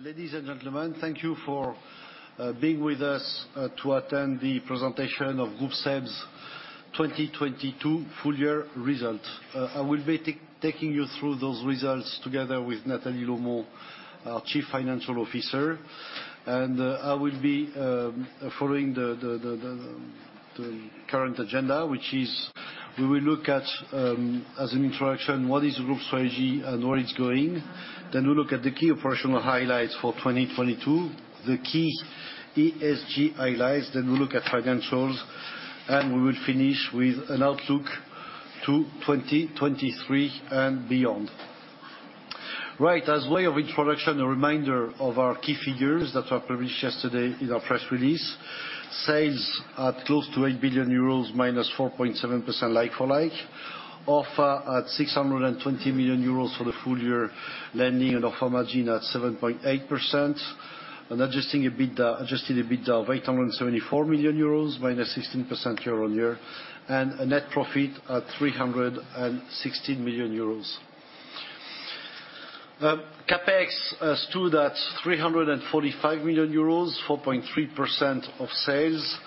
Ladies and gentlemen, thank you for being with us to attend the presentation of Groupe SEB's 2022 full year results. I will be taking you through those results together with Nathalie Lomon, our Chief Financial Officer. I will be following the current agenda, which is we will look at as an introduction, what is the Group strategy and where it's going. We'll look at the key operational highlights for 2022, the key ESG highlights. We look at financials, and we will finish with an outlook to 2023 and beyond. Right. As way of introduction, a reminder of our key figures that were published yesterday in our press release. Sales at close to 8 billion euros- 4.7% like for like. ORfA at 620 million euros for the full year. Lending and ORfA margin at 7.8%. Adjusted EBITDA of 874 million euros, -16% year-over-year. A net profit at 360 million euros. CapEx stood at 345 million euros, 4.3% of sales.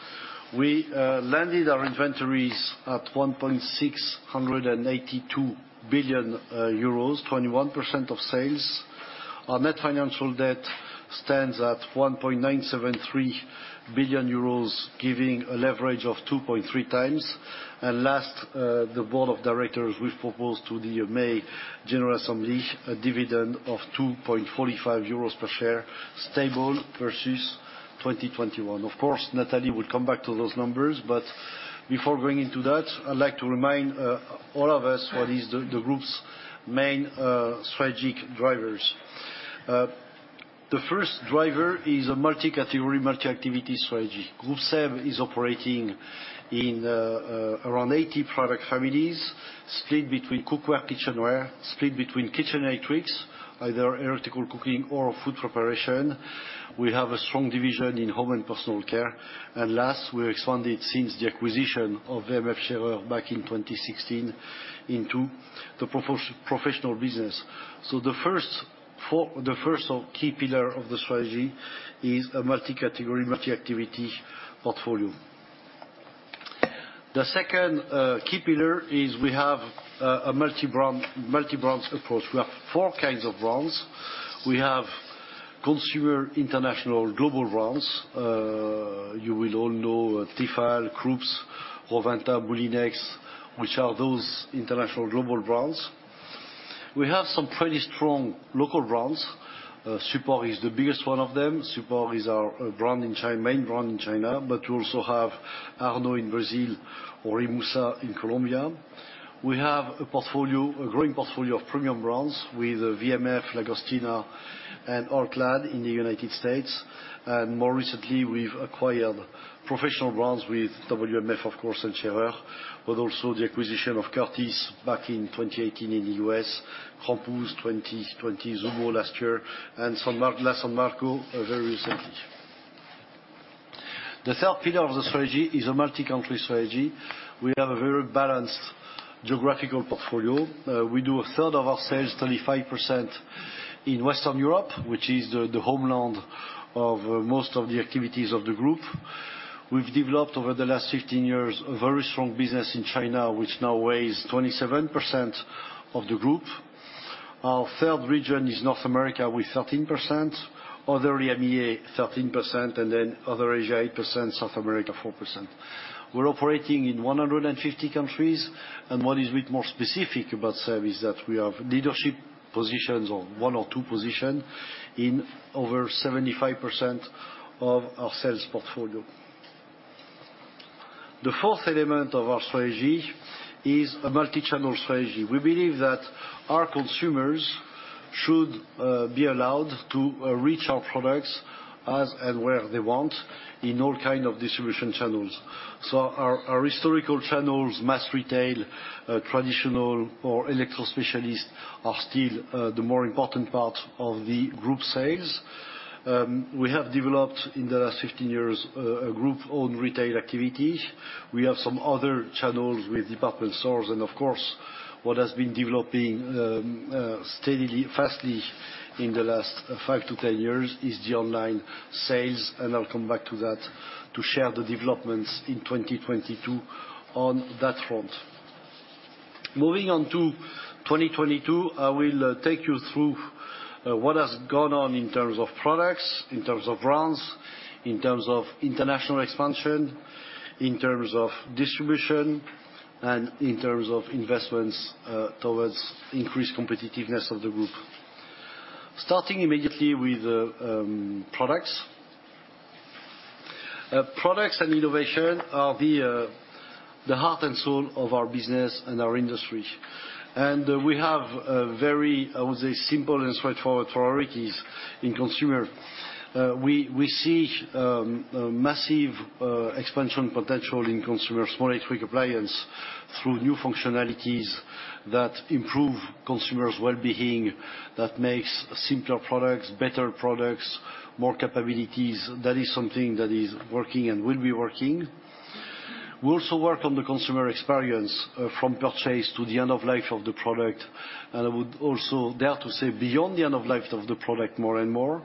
We landed our inventories at 1.682 billion euros, 21% of sales. Our net financial debt stands at 1.973 billion euros, giving a leverage of 2.3 times. Last, the board of directors which proposed to the May general assembly a dividend of 2.45 euros per share, stable versus 2021. Of course, Nathalie will come back to those numbers. Before going into that, I'd like to remind all of us what is the group's main strategic drivers. The first driver is a multi-category, multi-activity strategy. Groupe SEB is operating in around 80 product families, split between cookware, kitchenware, split between kitchen electrics, either electrical cooking or food preparation. We have a strong division in home and personal care. Last, we expanded since the acquisition of WMF/Schaerer back in 2016 into the professional business. The first of key pillar of the strategy is a multi-category, multi-activity portfolio. The second key pillar is we have a multi-brand, multi-brands approach. We have four kinds of brands. We have consumer international global brands. You will all know Tefal, Krups, Rowenta, Moulinex, which are those international global brands. We have some pretty strong local brands. Supor is the biggest one of them. Supor is our brand in China, main brand in China, but we also have Arno in Brazil or IMUSA in Colombia. We have a portfolio, a growing portfolio of premium brands with WMF, Lagostina, and Artland in the United States. More recently, we've acquired professional brands with WMF, of course, and Schaerer, but also the acquisition of Curtis back in 2018 in the U.S., Krampouz 2020, Zhebo last year, and La San Marco very recently. The third pillar of the strategy is a multi-country strategy. We have a very balanced geographical portfolio. We do a third of our sales, 35% in Western Europe, which is the homeland of most of the activities of the group. We've developed over the last 15 years, a very strong business in China, which now weighs 27% of the group. Our third region is North America with 13%, other EMEA 13%, and then other Asia, 8%, South America, 4%. We're operating in 150 countries, and what is a bit more specific about SEB is that we have leadership positions or one or two position in over 75% of our sales portfolio. The fourth element of our strategy is a multi-channel strategy. We believe that our consumers should be allowed to reach our products as and where they want in all kind of distribution channels. Our, our historical channels, mass retail, traditional or electro specialists are still the more important part of the group sales. We have developed in the last 15 years a group own retail activity. We have some other channels with department stores, and of course, what has been developing steadily, fastly in the last five to 10 years is the online sales, and I'll come back to that to share the developments in 2022 on that front. Moving on to 2022, I will take you through what has gone on in terms of products, in terms of brands, in terms of international expansion, in terms of distribution, and in terms of investments towards increased competitiveness of the Group. Starting immediately with products. Products and innovation are the heart and soul of our business and our industry. And we have a very, I would say, simple and straightforward priorities in consumer. We see massive expansion potential in consumer small electric appliance through new functionalities that improve consumers' well-being, that makes simpler products, better products, more capabilities. That is something that is working and will be working. We also work on the consumer experience from purchase to the end of life of the product. I would also dare to say beyond the end of life of the product more and more.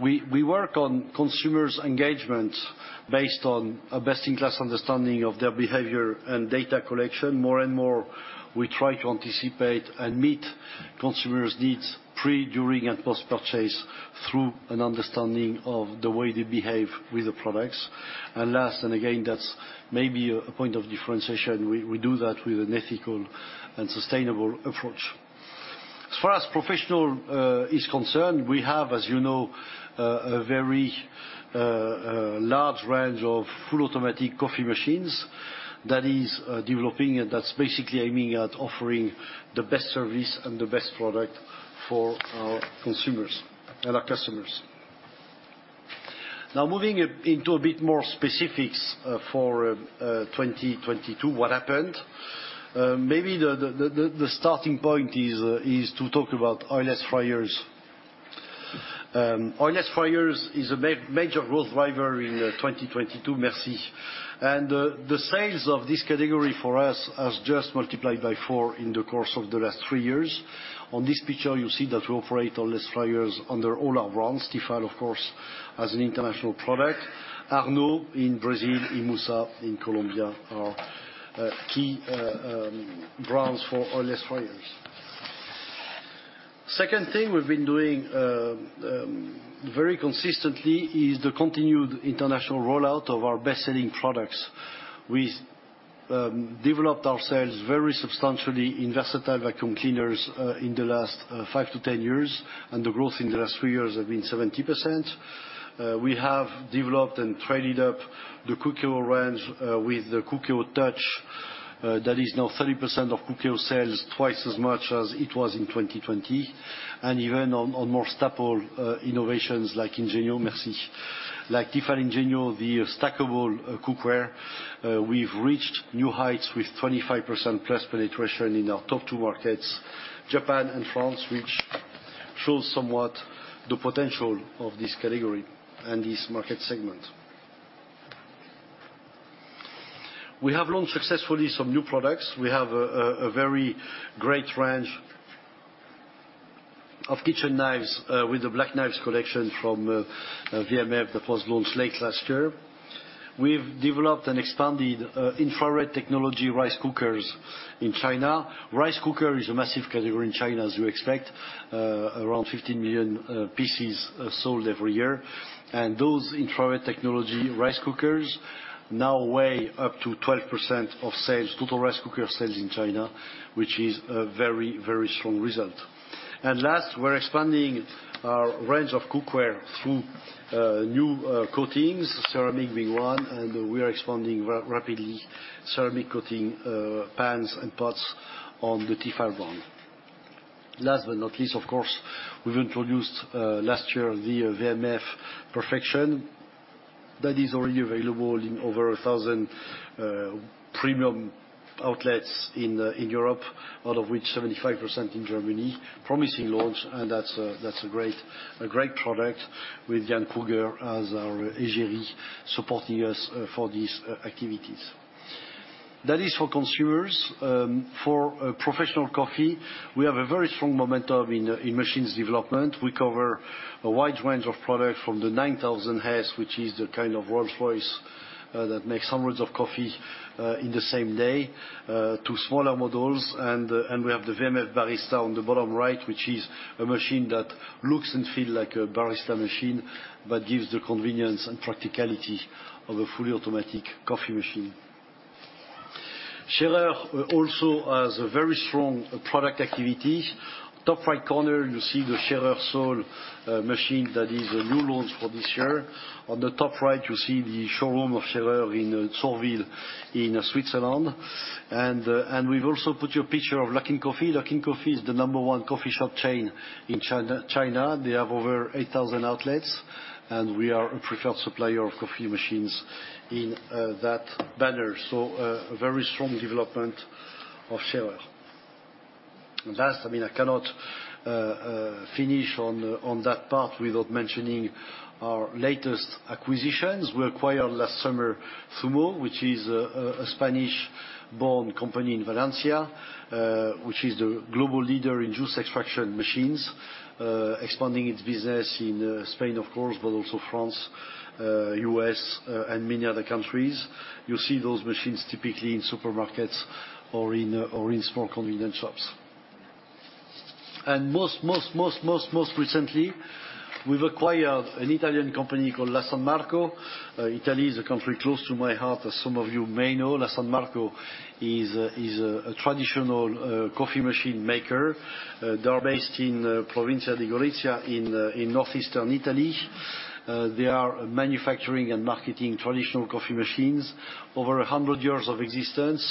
We work on consumers' engagement based on a best-in-class understanding of their behavior and data collection. More and more, we try to anticipate and meet consumers' needs pre, during and post-purchase through an understanding of the way they behave with the products. Last, and again, that's maybe a point of differentiation, we do that with an ethical and sustainable approach. As far as professional is concerned, we have, as you know, a very large range of full automatic coffee machines that is developing and that's basically aiming at offering the best service and the best product for our consumers and our customers. Now, moving into a bit more specifics for 2022, what happened. Maybe the starting point is to talk about oil less fryers. Oil less fryers is a major growth driver in 2022. Merci. The sales of this category for us has just multiplied by 4 in the course of the last three years. On this picture, you see that we operate oil less fryers under all our brands. Tefal, of course, as an international product. Arno in Brazil, IMUSA in Colombia are key brands for oil-less fryers. Second thing we've been doing very consistently is the continued international rollout of our best-selling products. We developed our sales very substantially in versatile vacuum cleaners in the last 5-10 years, and the growth in the last three years have been 70%. We have developed and traded up the Cookeo range with the Cookeo Touch that is now 30% of Cookeo sales, twice as much as it was in 2020. Even on more staple innovations like Ingenio, like Tefal Ingenio, the stackable cookware, we've reached new heights with 25%+ penetration in our top two markets, Japan and France, which shows somewhat the potential of this category and this market segment. We have launched successfully some new products. We have a very great range of kitchen knives, with the Black Knives collection from WMF that was launched late last year. We've developed and expanded infrared technology rice cookers in China. Rice cooker is a massive category in China, as you expect. Around 15 million pieces sold every year. Those infrared technology rice cookers now weigh up to 12% of sales, total rice cooker sales in China, which is a very, very strong result. Last, we're expanding our range of cookware through new coatings, ceramic being one, and we are expanding rapidly ceramic coating pans and pots on the Tefal brand. Last but not least, of course, we've introduced last year the WMF Perfection that is already available in over 1,000 premium outlets in Europe, out of which 75% in Germany, promising launch. That's a great product with Pawel Wyszynski as our ageri, supporting us for these activities. That is for consumers. For professional coffee, we have a very strong momentum in machines development. We cover a wide range of products from the 9000 S, which is the kind of Rolls-Royce that makes hundreds of coffee in the same day, to smaller models. We have the WMF Barista on the bottom right, which is a machine that looks and feel like a barista machine, but gives the convenience and practicality of a fully automatic coffee machine. Schaerer also has a very strong product activity. Top right corner, you see the Schaerer Soul machine that is a new launch for this year. On the top right, you see the showroom of Schaerer in Surville in Switzerland. We've also put you a picture of Luckin Coffee. Luckin Coffee is the number one coffee shop chain in China. They have over 8,000 outlets, and we are a preferred supplier of coffee machines in that banner. A very strong development of Schaerer. Last, I mean, I cannot finish on that part without mentioning our latest acquisitions. We acquired last summer, Zummo, which is a Spanish-born company in Valencia, which is the global leader in juice extraction machines, expanding its business in Spain, of course, but also France, U.S., and many other countries. You see those machines typically in supermarkets or in small convenience shops. Most recently, we've acquired an Italian company called La San Marco. Italy is a country close to my heart, as some of you may know. La San Marco is a traditional coffee machine maker. They are based in Provincia di Gorizia in northeastern Italy. They are manufacturing and marketing traditional coffee machines. Over 100 years of existence,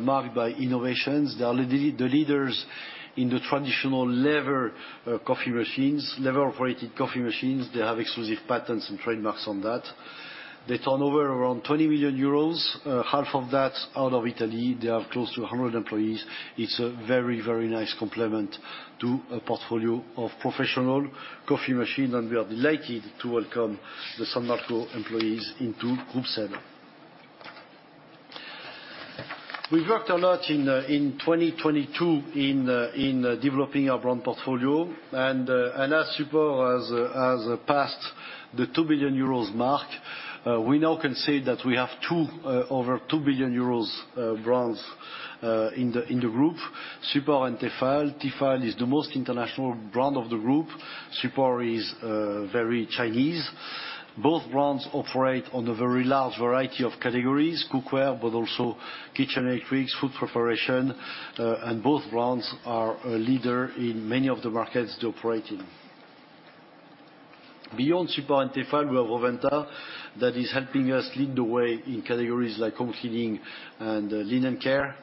marked by innovations. They are the leaders in the traditional lever coffee machines, lever-operated coffee machines. They have exclusive patents and trademarks on that. They turnover around 20 million euros, half of that out of Italy. They have close to 100 employees. It's a very, very nice complement to a portfolio of professional coffee machine, and we are delighted to welcome the San Marco employees into Groupe SEB.We've worked a lot in 2022 in developing our brand portfolio. As Supor has passed the 2 billion euros mark, we now can say that we have two, over 2 billion euros brands, in the, in the group, Supor and Tefal. Tefal is the most international brand of the group. Supor is very Chinese. Both brands operate on a very large variety of categories, cookware but also kitchen electrics, food preparation, and both brands are a leader in many of the markets they operate in. Beyond Supor and Tefal, we have Rowenta that is helping us lead the way in categories like home cleaning and linen care.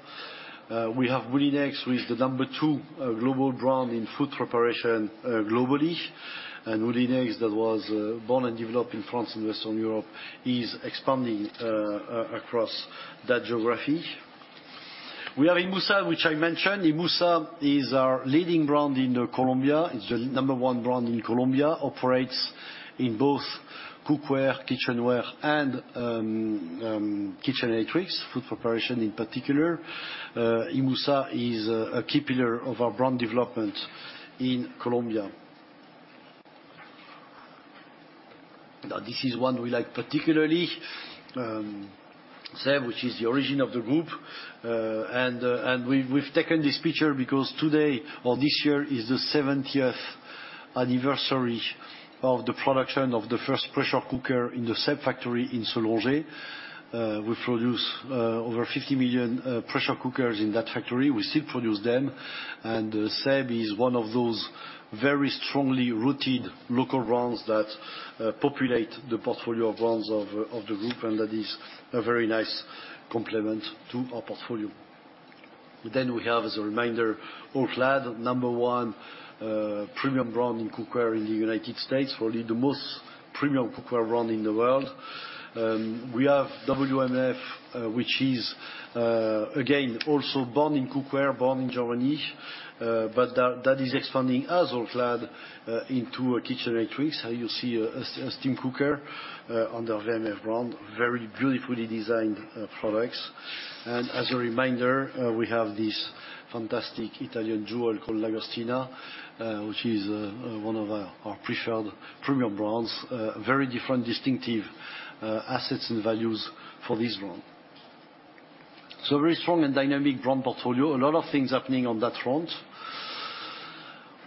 We have Moulinex, who is the number two global brand in food preparation globally. Moulinex, that was born and developed in France and Western Europe, is expanding across that geography. We have IMUSA, which I mentioned. IMUSA is our leading brand in Colombia. It's the number one brand in Colombia, operates in both cookware, kitchenware and kitchen electrics, food preparation in particular. IMUSA is a key pillar of our brand development in Colombia. This is one we like particularly, SEB, which is the origin of the group. We've taken this picture because today or this year is the 70th anniversary of the production of the first pressure cooker in the SEB factory in Saulnes. We produced over 50 million pressure cookers in that factory. We still produce them, and SEB is one of those very strongly rooted local brands that populate the portfolio of brands of the group, and that is a very nice complement to our portfolio. We have as a reminder, All-Clad, number 1, premium brand in cookware in the United States, probably the most premium cookware brand in the world. We have WMF, which is again, also born in cookware, born in Germany, but that is expanding as All-Clad into kitchen electrics. You see a steam cooker under WMF brand, very beautifully designed products. As a reminder, we have this fantastic Italian jewel called Lagostina, which is one of our preferred premium brands. Very different distinctive assets and values for this brand. A very strong and dynamic brand portfolio. A lot of things happening on that front.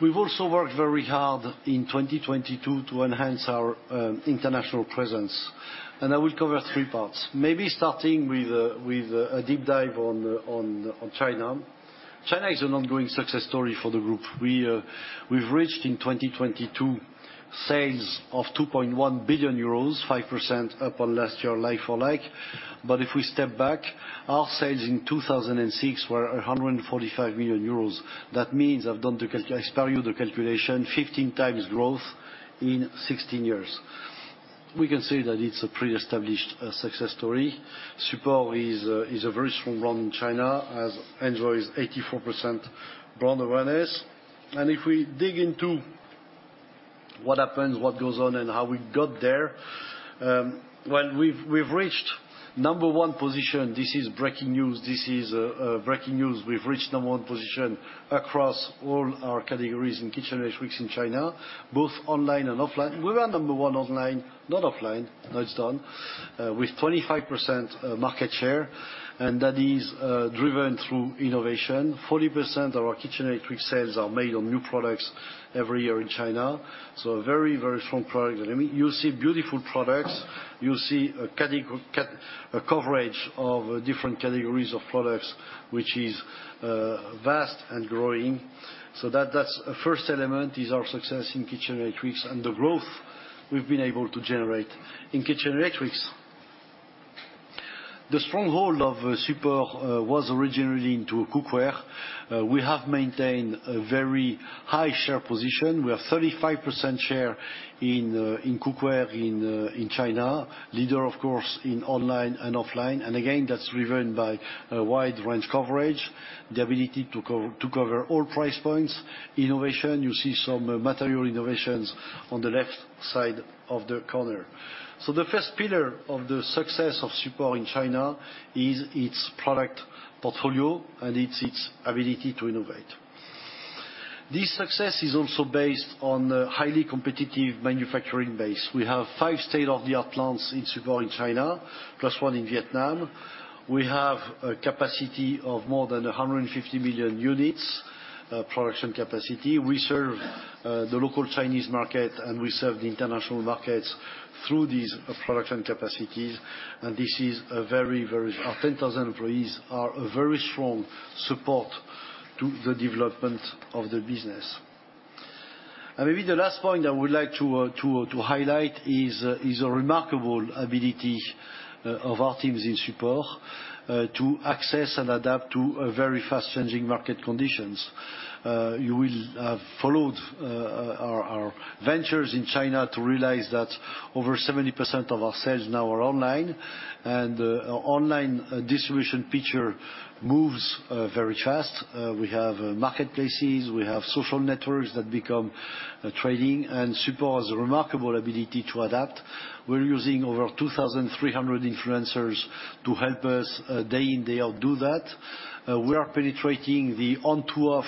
We've also worked very hard in 2022 to enhance our international presence, and I will cover three parts, maybe starting with a deep dive on China. China is an ongoing success story for the group. We've reached in 2022 sales of 2.1 billion euros, 5% up on last year like for like. If we step back, our sales in 2006 were 145 million euros. That means, I've done the I spare you the calculation, 15 times growth in 16 years. We can say that it's a pre-established success story. Supor is a very strong brand in China, has, enjoys 84% brand awareness. If we dig into what happens, what goes on, and how we got there, well we've reached number one position. This is breaking news. This is breaking news. We've reached number one position across all our categories in kitchen electrics in China, both online and offline. We were number one online, not offline. Now it's done, with 25% market share, and that is driven through innovation. 40% of our kitchen electric sales are made on new products every year in China, so a very strong product. I mean, you see beautiful products. You see a category, a coverage of different categories of products, which is vast and growing. That, that's a first element is our success in kitchen electrics and the growth we've been able to generate in kitchen electrics. The stronghold of Supor was originally into cookware. We have maintained a very high share position. We have 35% share in cookware in China, leader of course in online and offline. Again, that's driven by a wide range coverage, the ability to cover all price points, innovation. You see some material innovations on the left side of the corner. The first pillar of the success of Supor in China is its product portfolio and it's its ability to innovate. This success is also based on a highly competitive manufacturing base. We have five state-of-the-art plants in Supor in China, plus one in Vietnam. We have a capacity of more than 150 million units production capacity. We serve the local Chinese market, and we serve the international markets through these production capacities. Our 10,000 employees are a very strong support to the development of the business. Maybe the last point I would like to highlight is a remarkable ability of our teams in Supor to access and adapt to very fast-changing market conditions. You will have followed our ventures in China to realize that over 70% of our sales now are online. Online distribution picture moves very fast. We have marketplaces, we have social networks that become trading, and Supor has a remarkable ability to adapt. We're using over 2,300 influencers to help us day in, day out do that. We are penetrating the on-to-off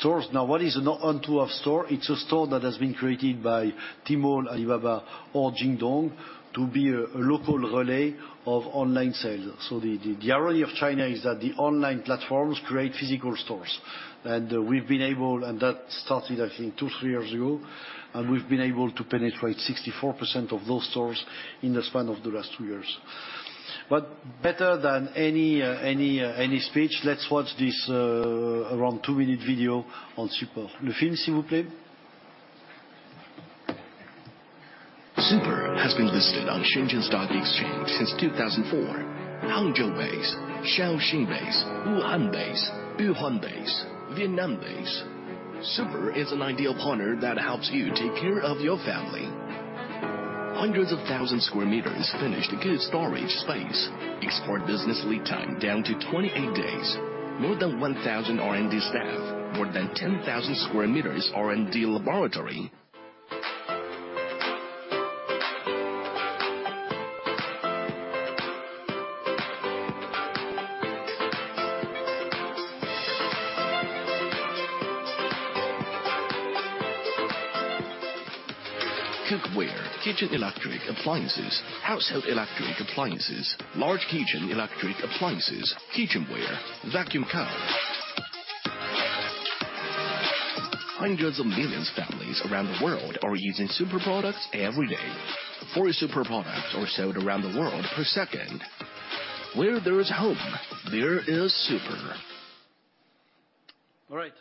stores. Now, what is an on-to-off store? It's a store that has been created by Tmall, Alibaba or Jingdong to be a local relay of online sales. The rarity of China is that the online platforms create physical stores. We've been able... That started, I think, two, three years ago, and we've been able to penetrate 64% of those stores in the span of the last two years. Better than any speech, let's watch this, around two-minute video on Supor. Supor has been listed on Shenzhen Stock Exchange since 2004. Hangzhou base, Shaoxing base, Wuhan base, Yuhuan base, Vietnam base. Supor is an ideal partner that helps you take care of your family. Hundreds of thousand square meters finished good storage space. Export business lead time down to 28 days. More than 1,000 R&D staff. More than 10,000 square meters R&D laboratory. Cookware, kitchen electric appliances, household electric appliances, large kitchen electric appliances, kitchenware, vacuum cup. Hundreds of millions families around the world are using Supor products every day. Four Supor products are sold around the world per second. Where there is home, there is Supor. All right.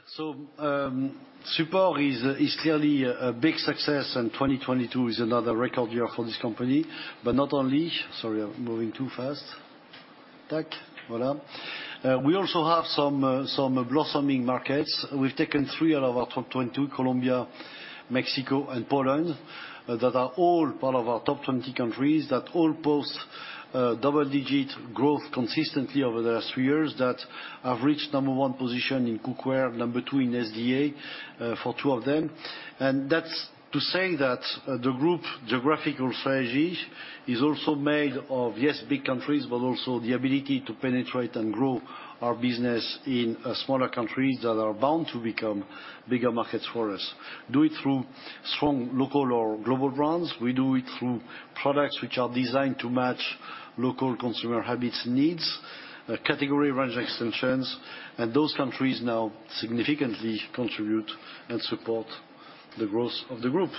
Supor is clearly a big success, and 2022 is another record year for this company. Not only... Sorry, I'm moving too fast. Tack. Voila. We also have some blossoming markets. We've taken three out of our top 22, Colombia, Mexico, and Poland, that are all part of our top 20 countries, that all post double-digit growth consistently over the last three years, that have reached number one position in cookware, number two in SDA, for two of them. That's to say that the group geographical strategy is also made of, yes, big countries, but also the ability to penetrate and grow our business in smaller countries that are bound to become bigger markets for us. Do it through strong local or global brands. We do it through products which are designed to match local consumer habits and needs, category range extensions. Those countries now significantly contribute and support the growth of the group.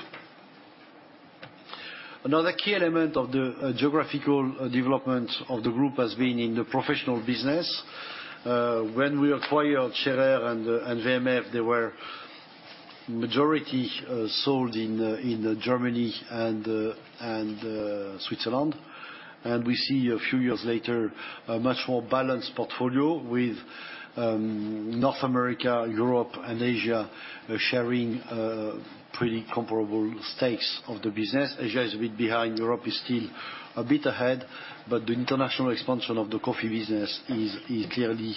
Another key element of the geographical development of the group has been in the Professional business. When we acquired Schaerer and WMF, they were majority sold in Germany and Switzerland. We see a few years later, a much more balanced portfolio with North America, Europe and Asia, sharing pretty comparable stakes of the business. Asia is a bit behind. Europe is still a bit ahead, but the international expansion of the coffee business is clearly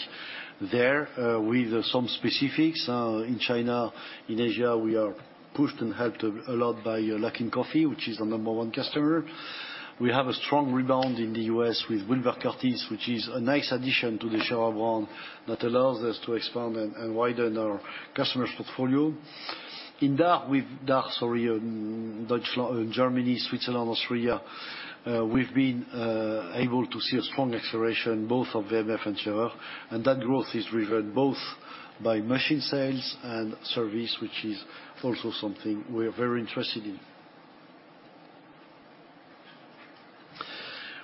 there, with some specifics. In China, in Asia, we are pushed and helped a lot by Luckin Coffee, which is the number 1 customer. We have a strong rebound in the U.S. with Wilbur Curtis, which is a nice addition to the Schaerer brand that allows us to expand and widen our customers' portfolio. In DACH, sorry, in Deutschland, in Germany, Switzerland, Austria, we've been able to see a strong acceleration both of WMF and Schaerer, and that growth is driven both by machine sales and service, which is also something we're very interested in.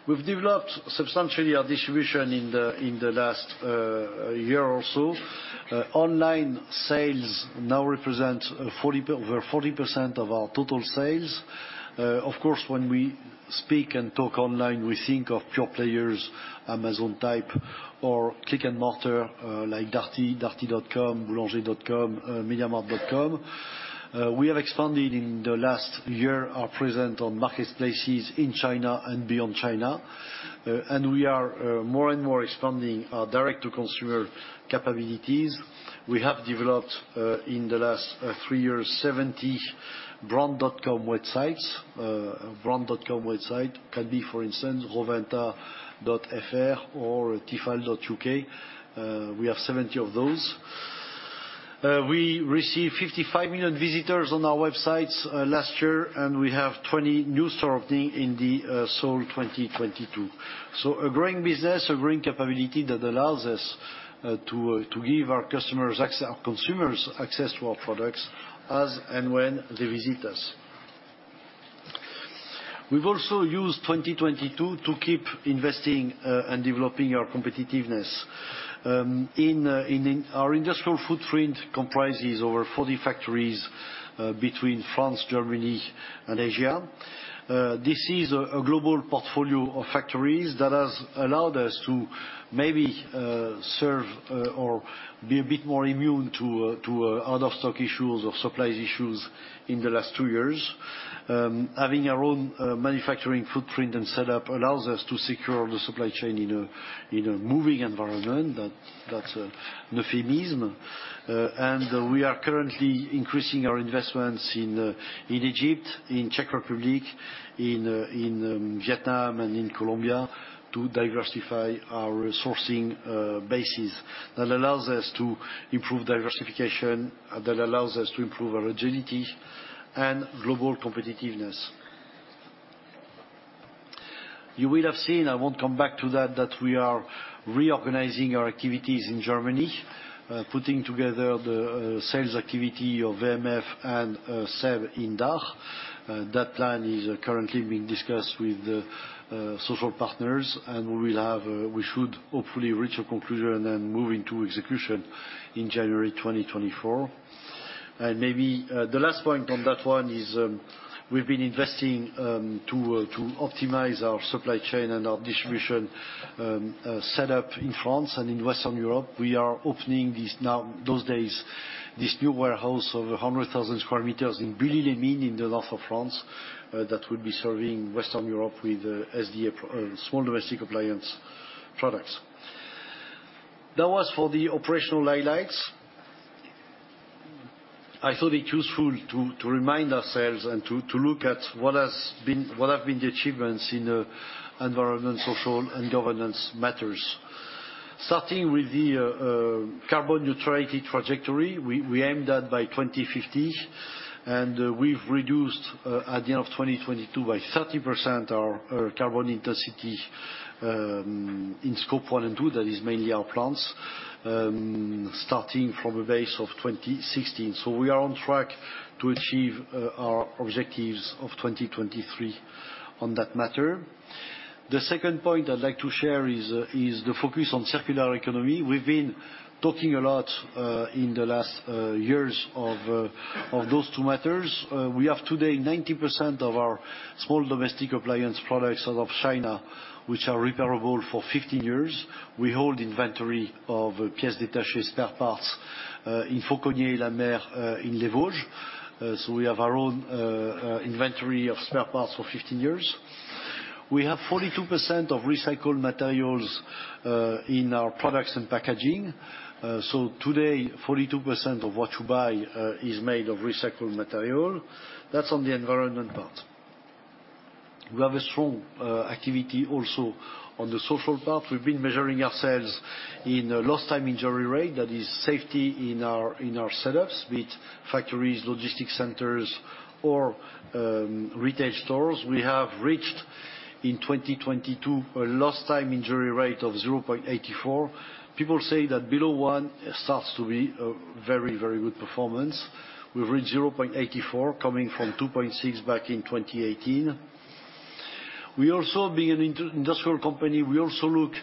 We've developed substantially our distribution in the last year or so. Online sales now represent over 40% of our total sales. Of course, when we speak and talk online, we think of pure players, Amazon type or click and mortar, like Darty, darty.com, boulanger.com, mediamarkt.com. We have expanded in the last year, our presence on marketplaces in China and beyond China. We are more and more expanding our direct-to-consumer capabilities. We have developed in the last 3 years, 70 brand.com websites. A brand.com website can be, for instance, rowenta.fr or tefal.uk. We have 70 of those. We received 55 million visitors on our websites last year, and we have 20 new store opening in the sole 2022. A growing business, a growing capability that allows us to give our customers access, our consumers access to our products as and when they visit us. We've also used 2022 to keep investing and developing our competitiveness. Our industrial footprint comprises over 40 factories between France, Germany, and Asia. This is a global portfolio of factories that has allowed us to maybe serve or be a bit more immune to out of stock issues or supplies issues in the last two years. Having our own manufacturing footprint and setup allows us to secure the supply chain in a moving environment that's an euphemism. We are currently increasing our investments in Egypt, in Czech Republic, in Vietnam and in Colombia to diversify our sourcing bases. That allows us to improve diversification, that allows us to improve our agility and global competitiveness. You will have seen, I won't come back to that we are reorganizing our activities in Germany, putting together the sales activity of WMF and SEB in DACH. That plan is currently being discussed with the social partners, we should hopefully reach a conclusion and then move into execution in January 2024. Maybe, the last point on that one is, we've been investing to optimize our supply chain and our distribution setup in France and in Western Europe. We are opening this, now, those days, this new warehouse of 100,000 square meters in Bully-les-Mines in the north of France, that will be serving Western Europe with SDA small domestic appliance products. That was for the operational highlights. I thought it useful to remind ourselves and to look at what have been the achievements in the environment, social, and governance matters. Starting with the carbon neutrality trajectory, we aim that by 2050, we've reduced at the end of 2022 by 30% our carbon intensity in scope one and two, that is mainly our plants, starting from a base of 2016. We are on track to achieve our objectives of 2023 on that matter. The second point I'd like to share is the focus on circular economy. We've been talking a lot in the last years of those two matters. We have today 90% of our small domestic appliance products out of China, which are repairable for 15 years. We hold inventory of pièce détachée spare parts in Faucogney-et-la-Mer in Les Vosges. We have our own inventory of spare parts for 15 years. We have 42% of recycled materials in our products and packaging. Today, 42% of what you buy is made of recycled material. That's on the environment part. We have a strong activity also on the social part. We've been measuring ourselves in lost time injury rate, that is safety in our setups, be it factories, logistic centers or retail stores. We have reached, in 2022, a lost time injury rate of 0.84. People say that below one starts to be a very, very good performance. We've reached 0.84 coming from 2.6 back in 2018. We also, being an industrial company, we also look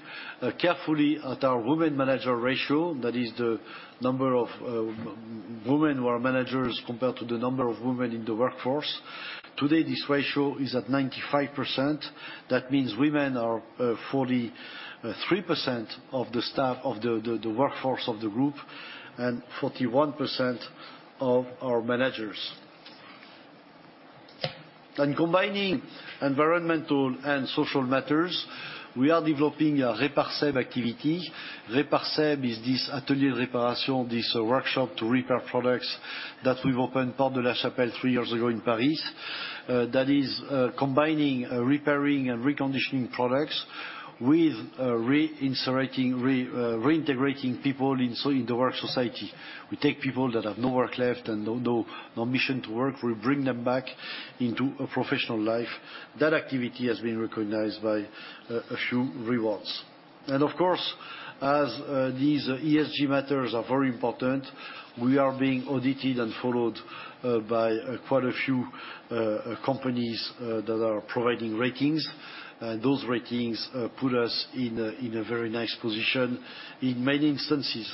carefully at our women manager ratio. That is the number of women who are managers compared to the number of women in the workforce. Today, this ratio is at 95%. That means women are 43% of the staff, of the workforce of the group, and 41% of our managers. Combining environmental and social matters, we are developing a RépareSEB activity. RépareSEB is this atelier de réparation, this workshop to repair products that we've opened Porte de la Chapelle 3 years ago in Paris. That is, combining, repairing and reconditioning products with reintegrating people in the work society. We take people that have no work left and no, no mission to work. We bring them back into a professional life. That activity has been recognized by a few rewards. Of course, as these ESG matters are very important, we are being audited and followed by quite a few companies that are providing ratings. Those ratings put us in a very nice position in many instances.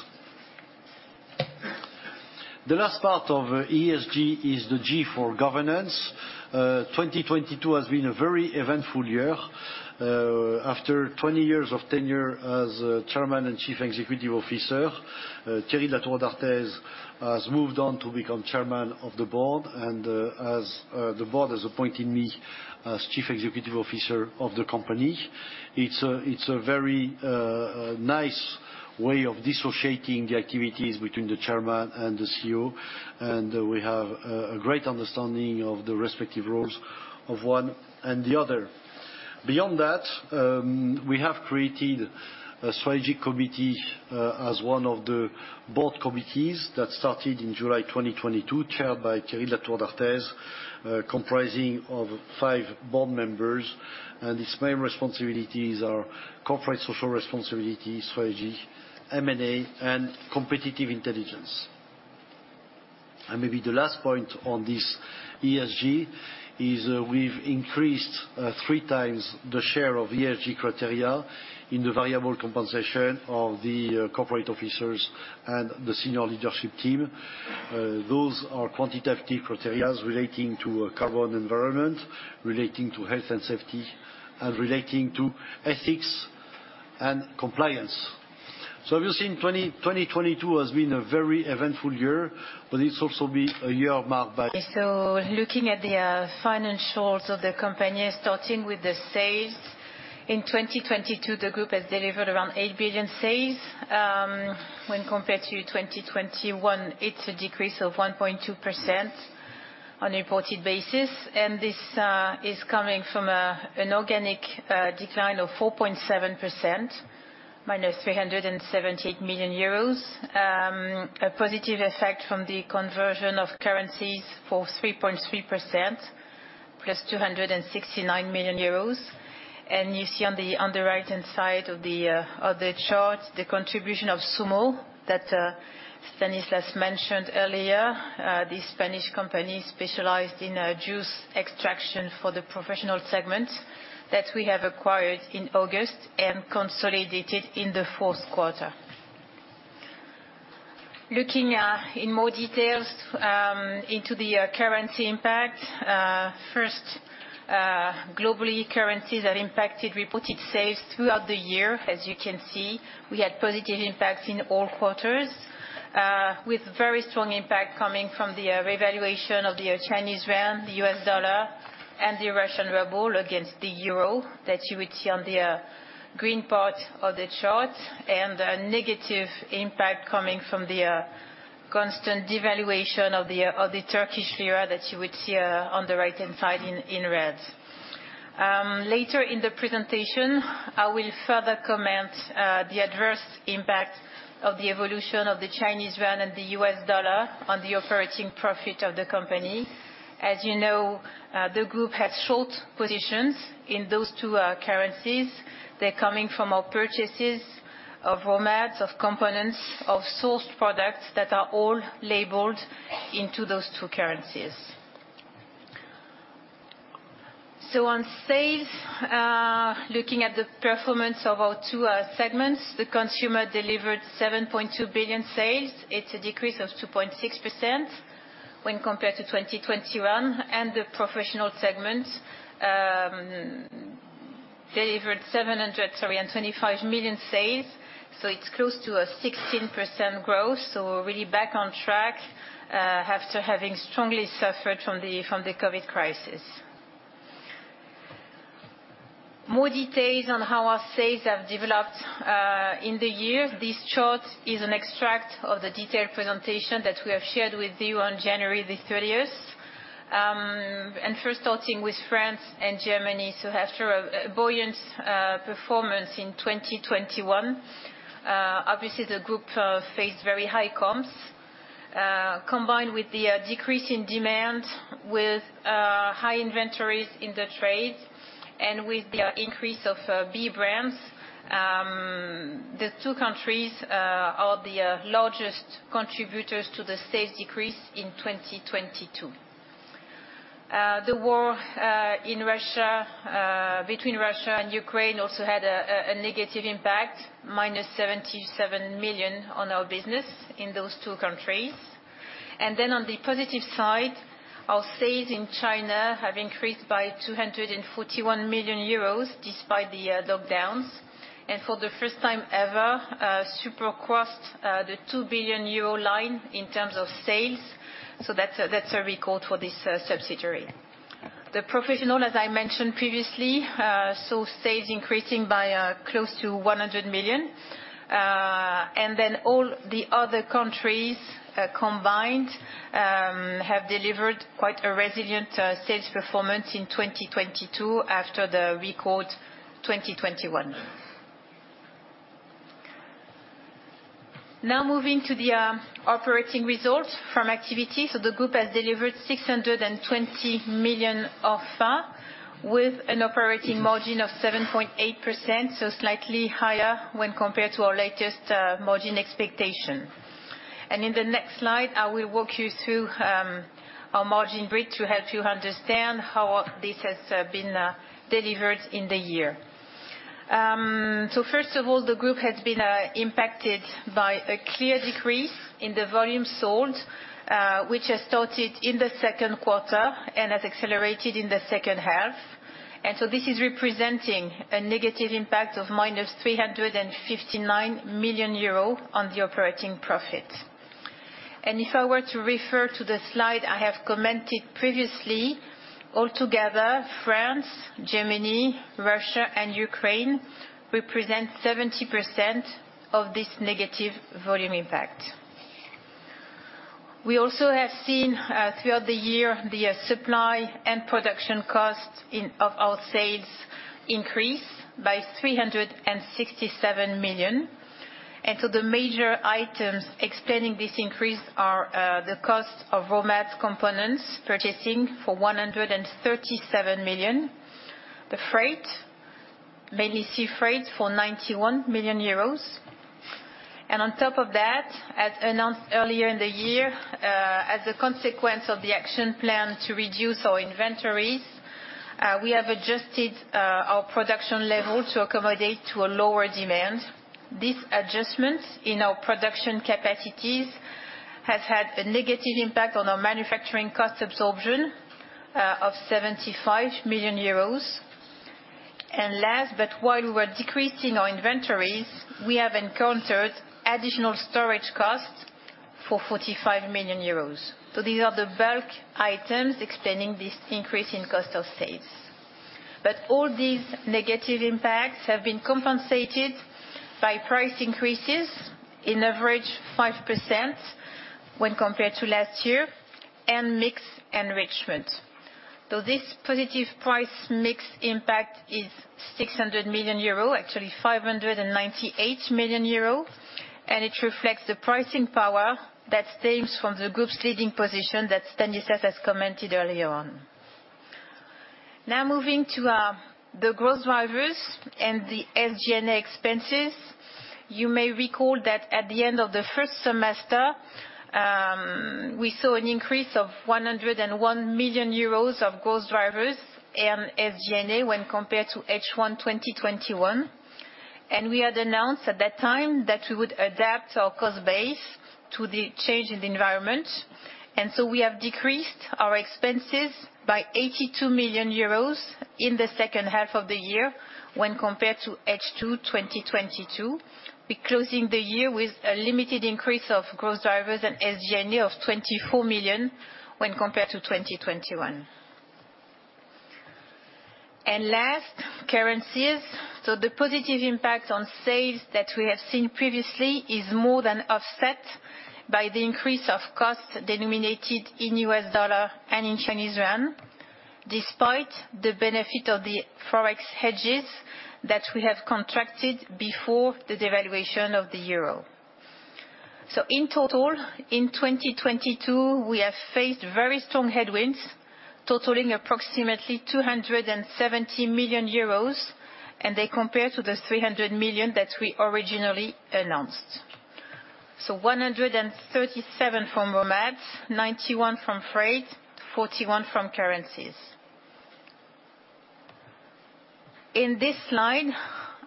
The last part of ESG is the G for governance. 2022 has been a very eventful year. After 20 years of tenure as Chairman and Chief Executive Officer, Thierry Latour d'Artaise has moved on to become Chairman of the Board. As the board has appointed me as Chief Executive Officer of the company. It's a very nice way of dissociating the activities between the Chairman and the CEO, and we have a great understanding of the respective roles of one and the other. Beyond that, we have created a strategic committee, as one of the board committees that started in July 2022, chaired by Thierry Latour d'Artaise, comprising of 5 board members. Its main responsibilities are corporate social responsibility, strategy, M&A, and competitive intelligence. Maybe the last point on this ESG is, we've increased three times the share of ESG criteria in the variable compensation of the corporate officers and the senior leadership team. Those are quantitative criteria relating to carbon environment, relating to health and safety, and relating to ethics and compliance. Obviously in 2022 has been a very eventful year, but it's also been a year marked by. Looking at the financials of the company, starting with the sales. In 2022, the group has delivered around 8 billion sales. When compared to 2021, it's a decrease of 1.2% on a reported basis. This is coming from an organic decline of 4.7%, minus 378 million euros. A positive effect from the conversion of currencies for 3.3%, plus 269 million euros. You see on the right-hand side of the chart, the contribution of Zummo that Stanislas mentioned earlier. The Spanish company specialized in juice extraction for the professional segment that we have acquired in August and consolidated in the fourth quarter. Looking in more details into the currency impact. First, globally, currencies have impacted reported sales throughout the year. As you can see, we had positive impact in all quarters, with very strong impact coming from the revaluation of the Chinese yuan, the US dollar, and the Russian ruble against the euro that you would see on the green part of the chart, and a negative impact coming from the constant devaluation of the Turkish lira that you would see on the right-hand side in red. Later in the presentation, I will further comment the adverse impact of the evolution of the Chinese yuan and the US dollar on the operating profit of the company. As you know, the group had short positions in those two currencies. They're coming from our purchases of raw materials, of components, of sourced products that are all labeled into those two currencies. On sales, looking at the performance of our two segments, the consumer delivered 7.2 billion sales. It's a decrease of 2.6% when compared to 2021. The professional segment delivered 725 million sales, it's close to a 16% growth. We're really back on track after having strongly suffered from the COVID crisis. More details on how our sales have developed in the year. This chart is an extract of the detailed presentation that we have shared with you on January 30th. First starting with France and Germany. After a buoyant performance in 2021, obviously the group faced very high costs. Combined with the decrease in demand with high inventories in the trades and with the increase of B brands, the two countries are the largest contributors to the sales decrease in 2022. The war in Russia between Russia and Ukraine also had a negative impact, -77 million on our business in those two countries. On the positive side, our sales in China have increased by 241 million euros despite the lockdowns. For the first time ever, Supor crossed the 2 billion euro line in terms of sales, that's a record for this subsidiary. The Professional business, as I mentioned previously, saw sales increasing by close to 100 million. All the other countries combined have delivered quite a resilient sales performance in 2022 after the record 2021. Moving to the operating results from activity. The group has delivered 620 million ORfA with an operating margin of 7.8%, slightly higher when compared to our latest margin expectation. In the next slide, I will walk you through our margin bridge to help you understand how this has been delivered in the year. First of all, the group has been impacted by a clear decrease in the volume sold, which has started in the second quarter and has accelerated in the second half. This is representing a negative impact of minus 359 million euro on the operating profit. If I were to refer to the slide I have commented previously, altogether France, Germany, Russia, and Ukraine represent 70% of this negative volume impact. We also have seen throughout the year the supply and production costs in, of our sales increase by 367 million. The major items explaining this increase are the cost of raw mat components purchasing for 137 million, the freight, mainly sea freight for 91 million euros. On top of that, as announced earlier in the year, as a consequence of the action plan to reduce our inventories, we have adjusted our production level to accommodate to a lower demand. These adjustments in our production capacities has had a negative impact on our manufacturing cost absorption of 75 million euros. While we were decreasing our inventories, we have encountered additional storage costs for 45 million euros. These are the bulk items explaining this increase in cost of sales. All these negative impacts have been compensated by price increases, in average 5% when compared to last year, and mix enrichment. This positive price mix impact is 600 million euro, actually 598 million euro, and it reflects the pricing power that stems from the group's leading position that Stanislas has commented earlier on. Now moving to the growth drivers and the SG&A expenses. You may recall that at the end of the first semester, we saw an increase of 101 million euros of growth drivers and SG&A when compared to H1 2021. We had announced at that time that we would adapt our cost base to the change in the environment. We have decreased our expenses by 82 million euros in the second half of the year when compared to H2 2022. We're closing the year with a limited increase of growth drivers and SG&A of 24 million when compared to 2021. Currencies. The positive impact on sales that we have seen previously is more than offset by the increase of costs denominated in US dollar and in Chinese yuan, despite the benefit of the Forex hedges that we have contracted before the devaluation of the euro. In total, in 2022, we have faced very strong headwinds totaling approximately 270 million euros. They compare to the 300 million that we originally announced. 137 from raw mats, 91 from freight, 41 from currencies. In this slide,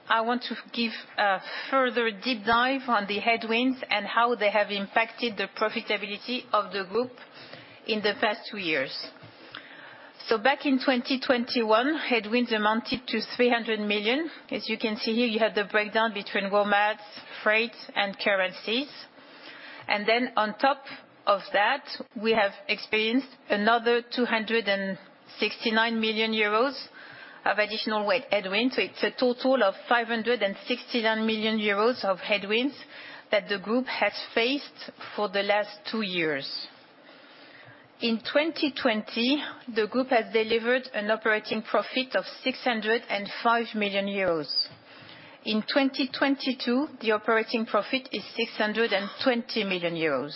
I want to give a further deep dive on the headwinds and how they have impacted the profitability of the group in the past two years. Back in 2021, headwinds amounted to 300 million. As you can see here, you have the breakdown between raw mats, freight, and currencies. On top of that, we have experienced another 269 million euros of additional weight headwind. It's a total of 569 million euros of headwinds that the group has faced for the last two years. In 2020, the group has delivered an operating profit of 605 million euros. In 2022, the operating profit is 620 million euros.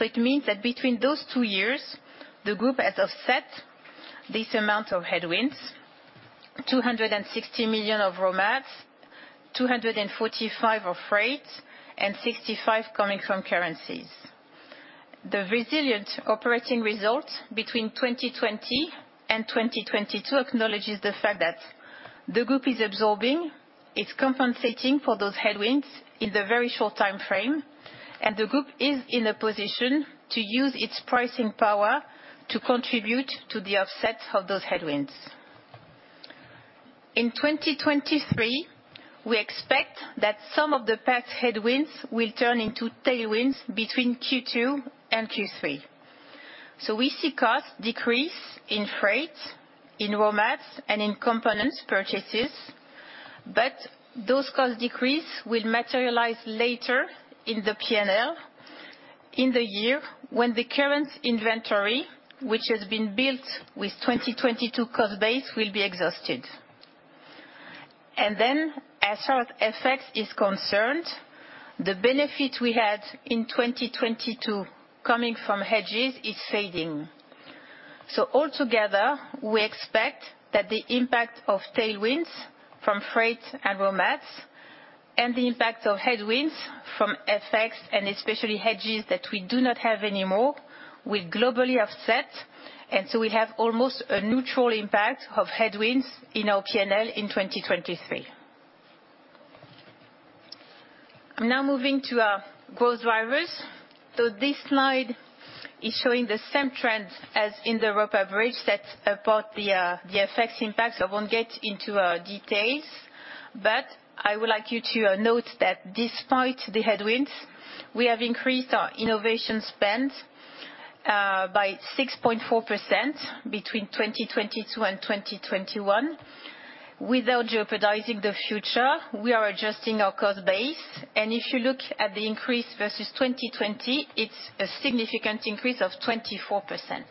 It means that between those two years, the group has offset this amount of headwinds, 260 million of raw mats, 245 of freight, and 65 coming from currencies. The resilient operating results between 2020 and 2022 acknowledges the fact that the group is absorbing, it's compensating for those headwinds in the very short time frame, and the group is in a position to use its pricing power to contribute to the offset of those headwinds. In 2023, we expect that some of the past headwinds will turn into tailwinds between Q2 and Q3. We see costs decrease in freight, in raw mats, and in components purchases. Those cost decrease will materialize later in the P&L in the year when the current inventory, which has been built with 2022 cost base, will be exhausted. As our FX is concerned, the benefit we had in 2022 coming from hedges is fading. We expect that the impact of tailwinds from freight and raw mats, and the impact of headwinds from FX and especially hedges that we do not have anymore, will globally offset. We have almost a neutral impact of headwinds in our P&L in 2023. I'm now moving to growth drivers. This slide is showing the same trend as in the ROPA bridge that about the FX impact, I won't get into details. I would like you to note that despite the headwinds, we have increased our innovation spend by 6.4% between 2022 and 2021. Without jeopardizing the future, we are adjusting our cost base. If you look at the increase versus 2020, it's a significant increase of 24%.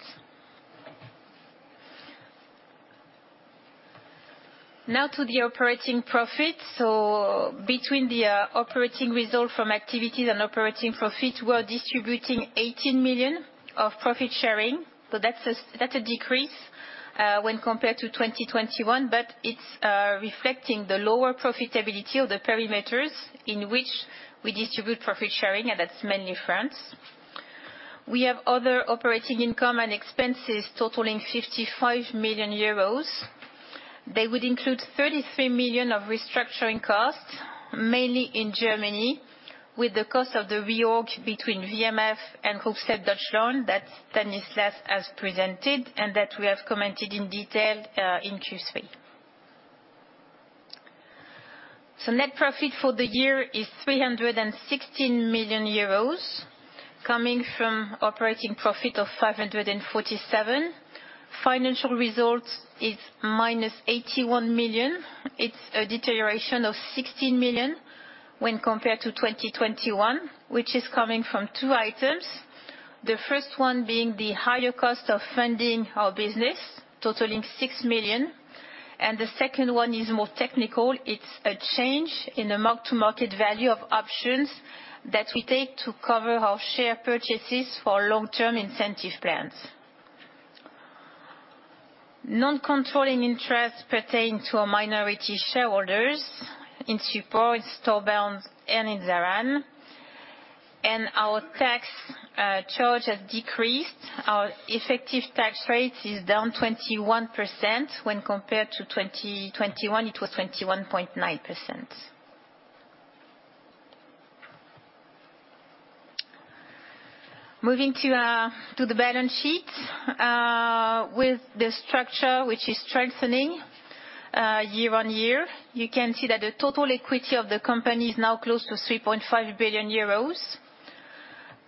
Now to the operating profit. Between the operating result from activities and operating profit, we are distributing 18 million of profit sharing. That's a decrease when compared to 2021, but it's reflecting the lower profitability of the perimeters in which we distribute profit sharing, and that's mainly France. We have other operating income and expenses totaling 55 million euros. They would include 33 million of restructuring costs, mainly in Germany, with the cost of the reorg between WMF and Hufsel Deutschland. That's Stanislas as presented, and that we have commented in detail in Q3. Net profit for the year is 316 million euros coming from operating profit of 547 million. Financial results is minus 81 million. It's a deterioration of 16 million when compared to 2021, which is coming from two items. The first one being the higher cost of funding our business, totaling 6 million, and the second one is more technical. It's a change in the mark-to-market value of options that we take to cover our share purchases for long-term incentive plans. Non-controlling interests pertain to our minority shareholders in Supor, in Stoberns, and in Zaran. Our tax charge has decreased. Our effective tax rate is down 21%. When compared to 2021, it was 21.9%. Moving to the balance sheet. With the structure which is strengthening year on year, you can see that the total equity of the company is now close to 3.5 billion euros.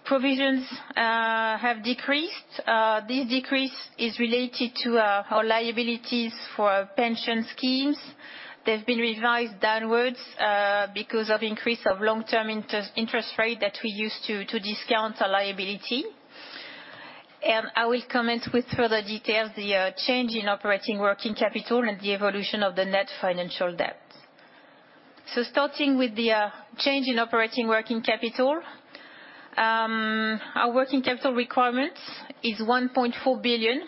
Provisions have decreased. This decrease is related to our liabilities for pension schemes. They've been revised downwards because of increase of long-term inter-interest rate that we use to discount our liability. I will comment with further detail the change in operating working capital and the evolution of the net financial debt. Starting with the change in operating working capital, our working capital requirements is 1.4 billion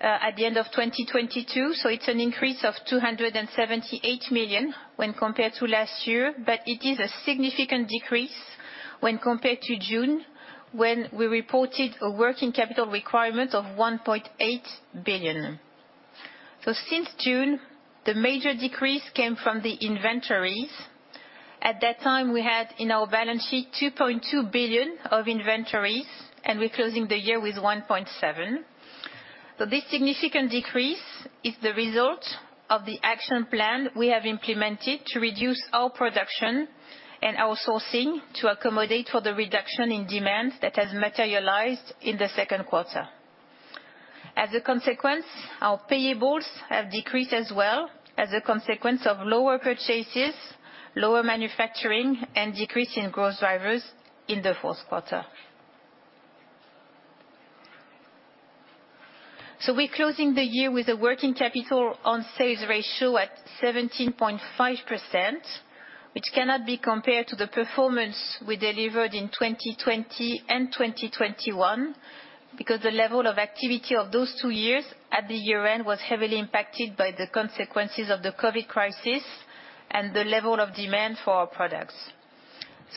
at the end of 2022, so it's an increase of 278 million when compared to last year, but it is a significant decrease when compared to June, when we reported a working capital requirement of 1.8 billion. Since June, the major decrease came from the inventories. At that time, we had in our balance sheet 2.2 billion of inventories, and we're closing the year with 1.7 billion. This significant decrease is the result of the action plan we have implemented to reduce our production and our sourcing to accommodate for the reduction in demand that has materialized in the second quarter. As a consequence, our payables have decreased as well as a consequence of lower purchases, lower manufacturing, and decrease in growth drivers in the fourth quarter. We're closing the year with a working capital on sales ratio at 17.5%, which cannot be compared to the performance we delivered in 2020 and 2021, because the level of activity of those two years at the year-end was heavily impacted by the consequences of the COVID crisis and the level of demand for our products.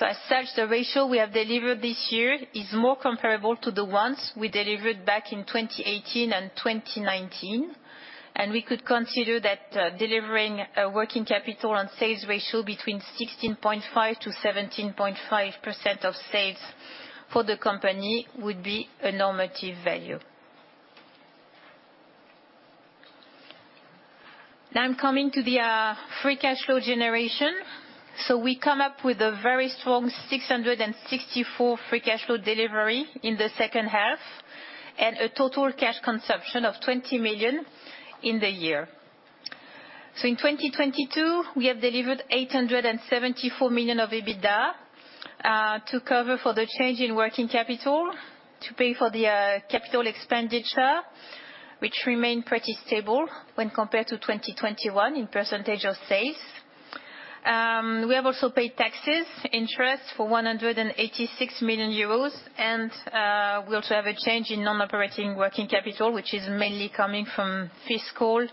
As such, the ratio we have delivered this year is more comparable to the ones we delivered back in 2018 and 2019, and we could consider that delivering a working capital on sales ratio between 16.5%-17.5% of sales for the company would be a normative value. I'm coming to the free cash flow generation. We come up with a very strong 664 million free cash flow delivery in the second half, and a total cash consumption of 20 million in the year. In 2022, we have delivered 874 million of EBITDA to cover for the change in working capital to pay for the capital expenditure, which remained pretty stable when compared to 2021 in percentage of sales. We have also paid taxes, interest for 186 million euros and we also have a change in non-operating working capital, which is mainly coming from fiscal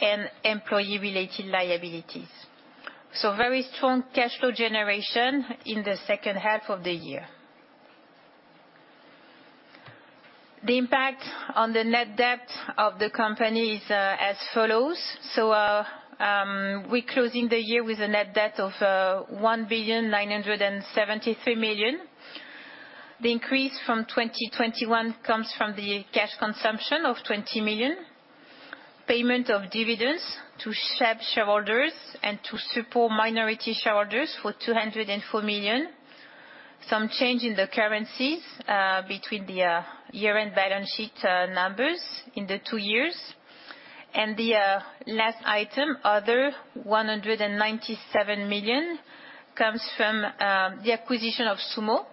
and employee-related liabilities. Very strong cash flow generation in the second half of the year. The impact on the net debt of the company is as follows. we're closing the year with a net debt of 1.973 billion. The increase from 2021 comes from the cash consumption of 20 million, payment of dividends to SEB shareholders and to Supor minority shareholders for 204 million. Some change in the currencies between the year-end balance sheet numbers in the two years. The last item, other, 197 million comes from the acquisition of Zummo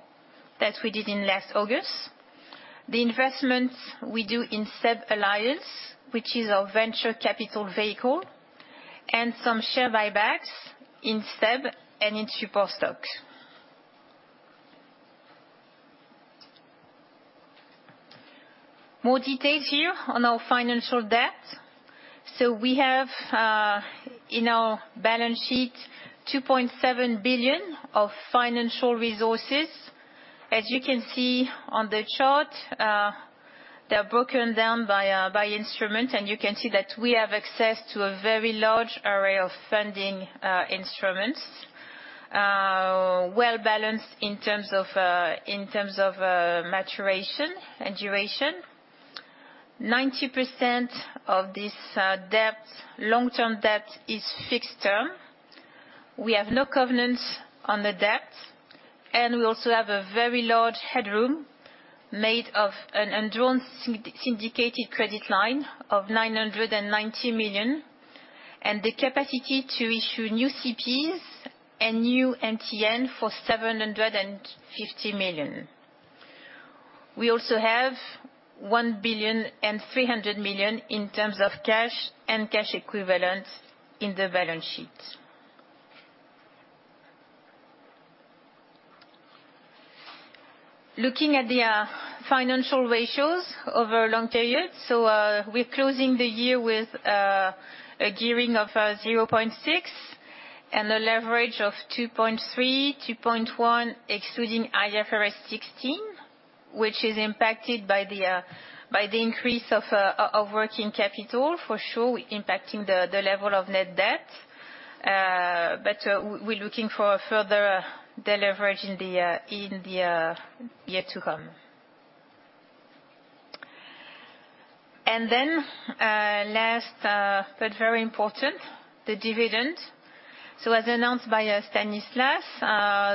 that we did in last August. The investments we do in SEB Alliance, which is our venture capital vehicle, and some share buybacks in SEB and in Supor stock. More details here on our financial debt. We have in our balance sheet 2.7 billion of financial resources. As you can see on the chart, they're broken down by by instrument. You can see that we have access to a very large array of funding instruments. Well-balanced in terms of in terms of maturation and duration. 90% of this debt, long-term debt is fixed term. We have no covenants on the debt. We also have a very large headroom made of an undrawn syndicated credit line of 990 million, and the capacity to issue new CPs and new NTN for 750 million. We also have 1.3 billion in terms of cash and cash equivalents in the balance sheet. Looking at the financial ratios over a long period. We're closing the year with a gearing of 0.6 and a leverage of 2.3, 2.1, excluding IFRS 16, which is impacted by the increase of working capital, for sure impacting the level of net debt. We're looking for further de-leverage in the year to come. Last, but very important, the dividend. As announced by Stanislas,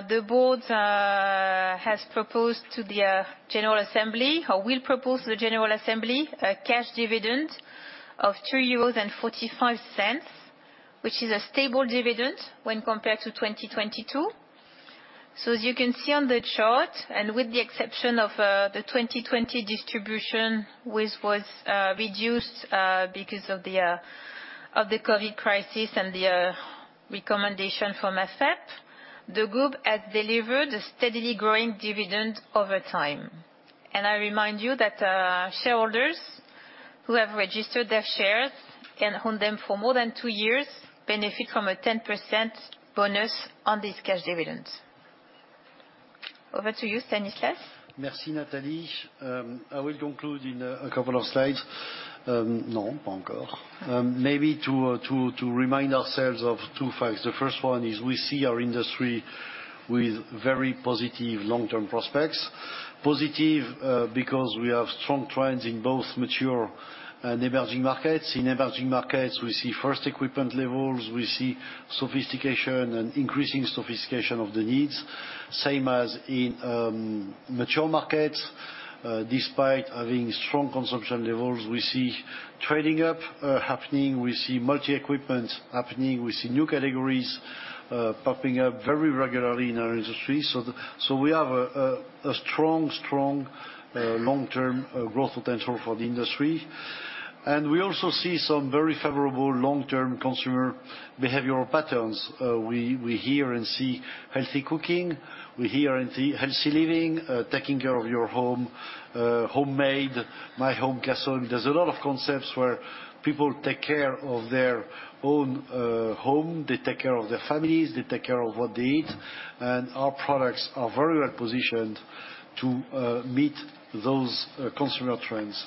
the board has proposed to the general assembly or will propose to the general assembly a cash dividend of 2.45 euros, which is a stable dividend when compared to 2022. As you can see on the chart, with the exception of the 2020 distribution, which was reduced because of the COVID crisis and the recommendation from AFEP, the group has delivered a steadily growing dividend over time. I remind you that shareholders who have registered their shares and own them for more than two years benefit from a 10% bonus on this cash dividend. Over to you, Stanislas. Merci, Nathalie. I will conclude in a couple of slides. Grommir, pas encore. Maybe to remind ourselves of two facts. The first one is we see our industry with very positive long-term prospects. Positive because we have strong trends in both mature and emerging markets. In emerging markets, we see first equipment levels, we see sophistication and increasing sophistication of the needs. Same as in mature markets. Despite having strong consumption levels, we see trading up happening, we see multi-equipment happening, we see new categories popping up very regularly in our industry. We have a strong long-term growth potential for the industry. We also see some very favorable long-term consumer behavioral patterns. We hear and see healthy cooking, we hear and see healthy living, taking care of your home, homemade, my home castle. There's a lot of concepts where people take care of their own home. They take care of their families, they take care of what they eat. Our products are very well positioned to meet those consumer trends.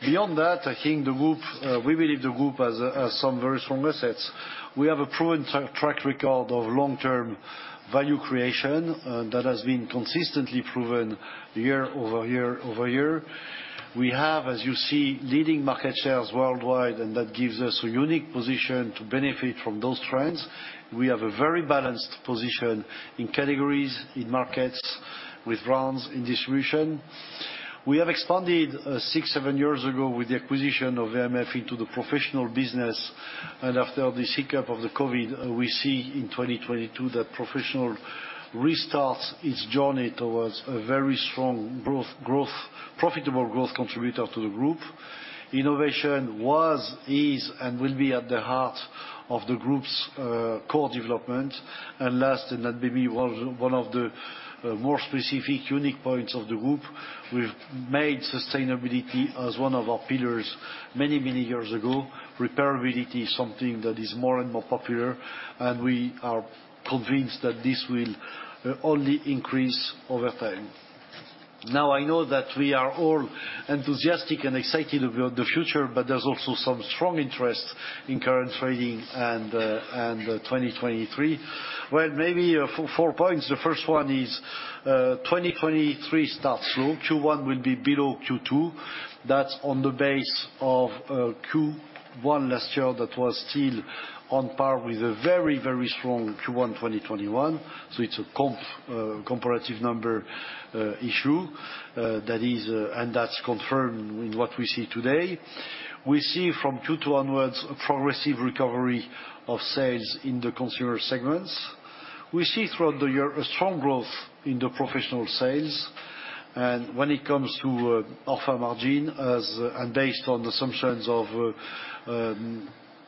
Beyond that, I think the group, we believe the group has some very strong assets. We have a proven track record of long-term value creation that has been consistently proven year-over-year over year. We have, as you see, leading market shares worldwide. That gives us a unique position to benefit from those trends. We have a very balanced position in categories, in markets, with brands, in distribution. We have expanded, six, seven years ago with the acquisition of WMF into the Professional business. After this hiccup of the COVID, we see in 2022 that Professional restarts its journey towards a very strong growth, profitable growth contributor to the group. Innovation was, is, and will be at the heart of the group's core development. Last, and that maybe was one of the more specific unique points of the group, we've made sustainability as one of our pillars many, many years ago. Repairability is something that is more and more popular, and we are convinced that this will only increase over time. Now I know that we are all enthusiastic and excited about the future, but there's also some strong interest in current trading and 2023. Well, maybe, four points. The first one is 2023 starts slow. Q1 will be below Q2. That's on the base of Q1 last year that was still on par with a very strong Q1 2021. It's a comp, comparative number, issue. That is, that's confirmed in what we see today. We see from Q2 onwards a progressive recovery of sales in the consumer segments. We see throughout the year a strong growth in the professional sales. When it comes ORfa margin as and based on assumptions of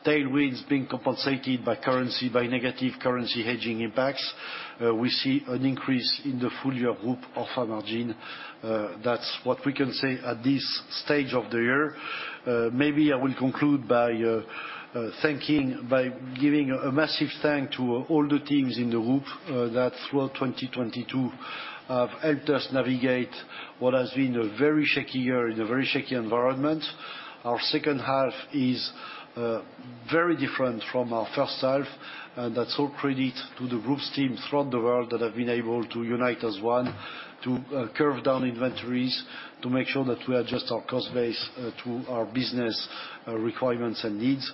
tailwinds being compensated by currency, by negative currency hedging impacts, we see an increase in the full year group ORfA margin. That's what we can say at this stage of the year. Maybe I will conclude by thanking by giving a massive thanks to all the teams in the group that throughout 2022 have helped us navigate what has been a very shaky year in a very shaky environment. Our second half is very different from our first half, and that's all credit to the group's teams throughout the world that have been able to unite as one to curve down inventories, to make sure that we adjust our cost base to our business requirements and needs.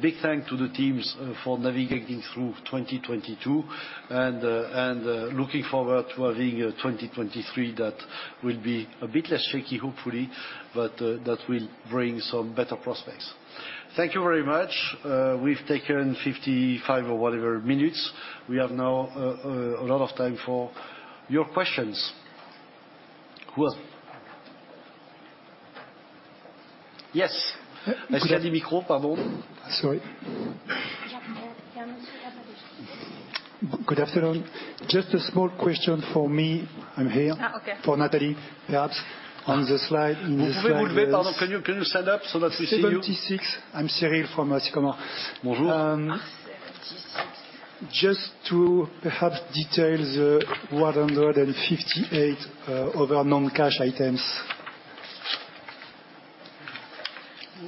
Big thank to the teams for navigating through 2022 and looking forward to having a 2023 that will be a bit less shaky, hopefully, but that will bring some better prospects. Thank you very much. We've taken 55 or whatever minutes. We have now, a lot of time for your questions. Well... Yes. Sorry. Good afternoon. Just a small question for me. I'm here. Okay. For Nathalie. Perhaps in this slide. Can you stand up so that we see you? 76. I'm Cyril from Kepler Cheuvreux. Bonjour. 76. Just to perhaps detail the 158 other non-cash items.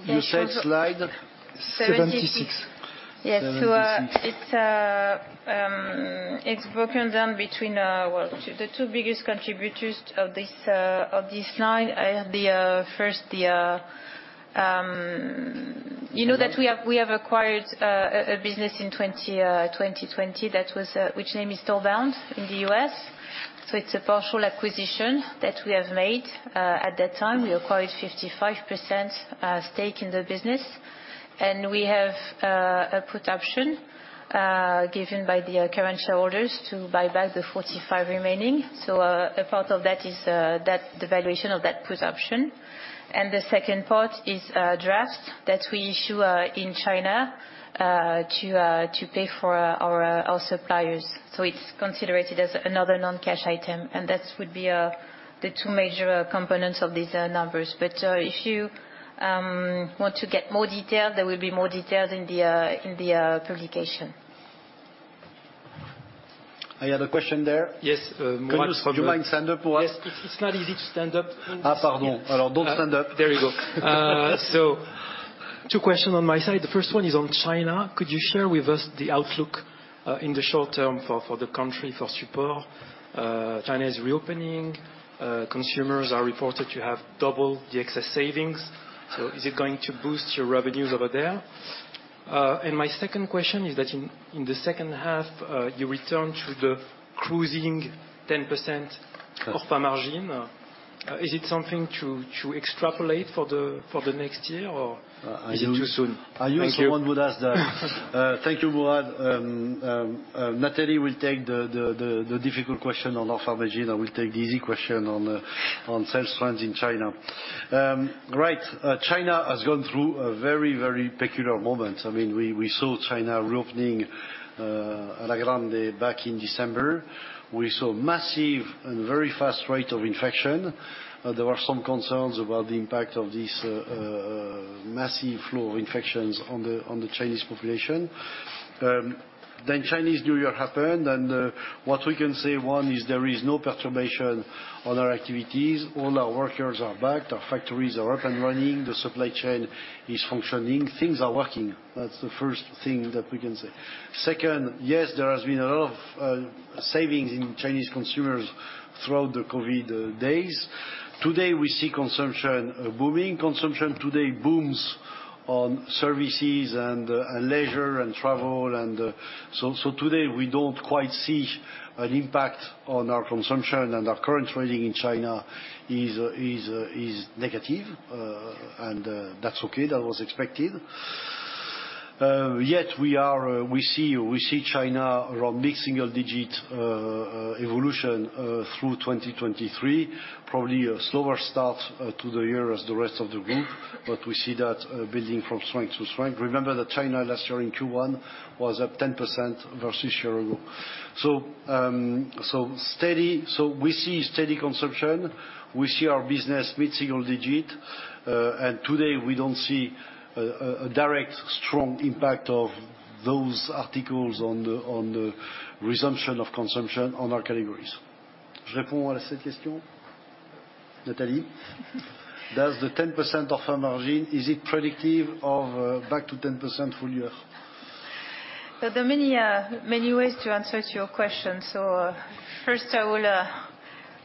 You said slide? 76. Yes. It's broken down between, well, the two biggest contributors of this slide. The first, you know that we have acquired a business in 2020 that was which name is StoreBound in the U.S. it's a partial acquisition that we have made. At that time, we acquired 55% stake in the business, and we have a put option given by the current shareholders to buy back the 45 remaining. A part of that is that the valuation of that put option. The second part is a draft that we issue in China to pay for our suppliers. It's considered as another non-cash item, and that would be the two major components of these numbers. If you want to get more detail, there will be more detail in the in the publication. I have a question there. Yes. Do you mind standing up for us? Yes. It's not easy to stand up. Pardon. Yes. Don't stand up. There you go. Two questions on my side. The first one is on China. Could you share with us the outlook in the short term for the country for Supor? China is reopening. Consumers are reported to have double the excess savings. Is it going to boost your revenues over there? My second question is that in the second half, you return to the cruising 10% ORfA margin. Is it something to extrapolate for the next year or is it too soon? Thank you. I knew someone would ask that. Thank you, Mourad. Nathalie will take the difficult question on ORfA margin. I will take the easy question on sales trends in China. Right. China has gone through a very peculiar moment. I mean, we saw China reopening, a la grande back in December. We saw massive and very fast rate of infection. There were some concerns about the impact of this massive flow of infections on the Chinese population. Then Chinese New Year happened. What we can say, one, is there is no perturbation on our activities. All our workers are back, our factories are up and running, the supply chain is functioning, things are working. That's the first thing that we can say. Second, yes, there has been a lot of savings in Chinese consumers throughout the COVID days. Today, we see consumption booming. Consumption today booms on services and leisure and travel. Today we don't quite see an impact on our consumption and our current trading in China is negative. That's okay. That was expected. Yet we see China around mid-single digit evolution through 2023, probably a slower start to the year as the rest of the group. We see that building from strength to strength. Remember that China last year in Q1 was up 10% versus year ago. We see steady consumption. We see our business mid-single digit. Today we don't see a direct strong impact of those articles on the resumption of consumption on our categories. Je réponds à cette question, Nathalie? Does the ORfa margin, is it predictive of back to 10% full year? There are many, many ways to answer to your question. First, I will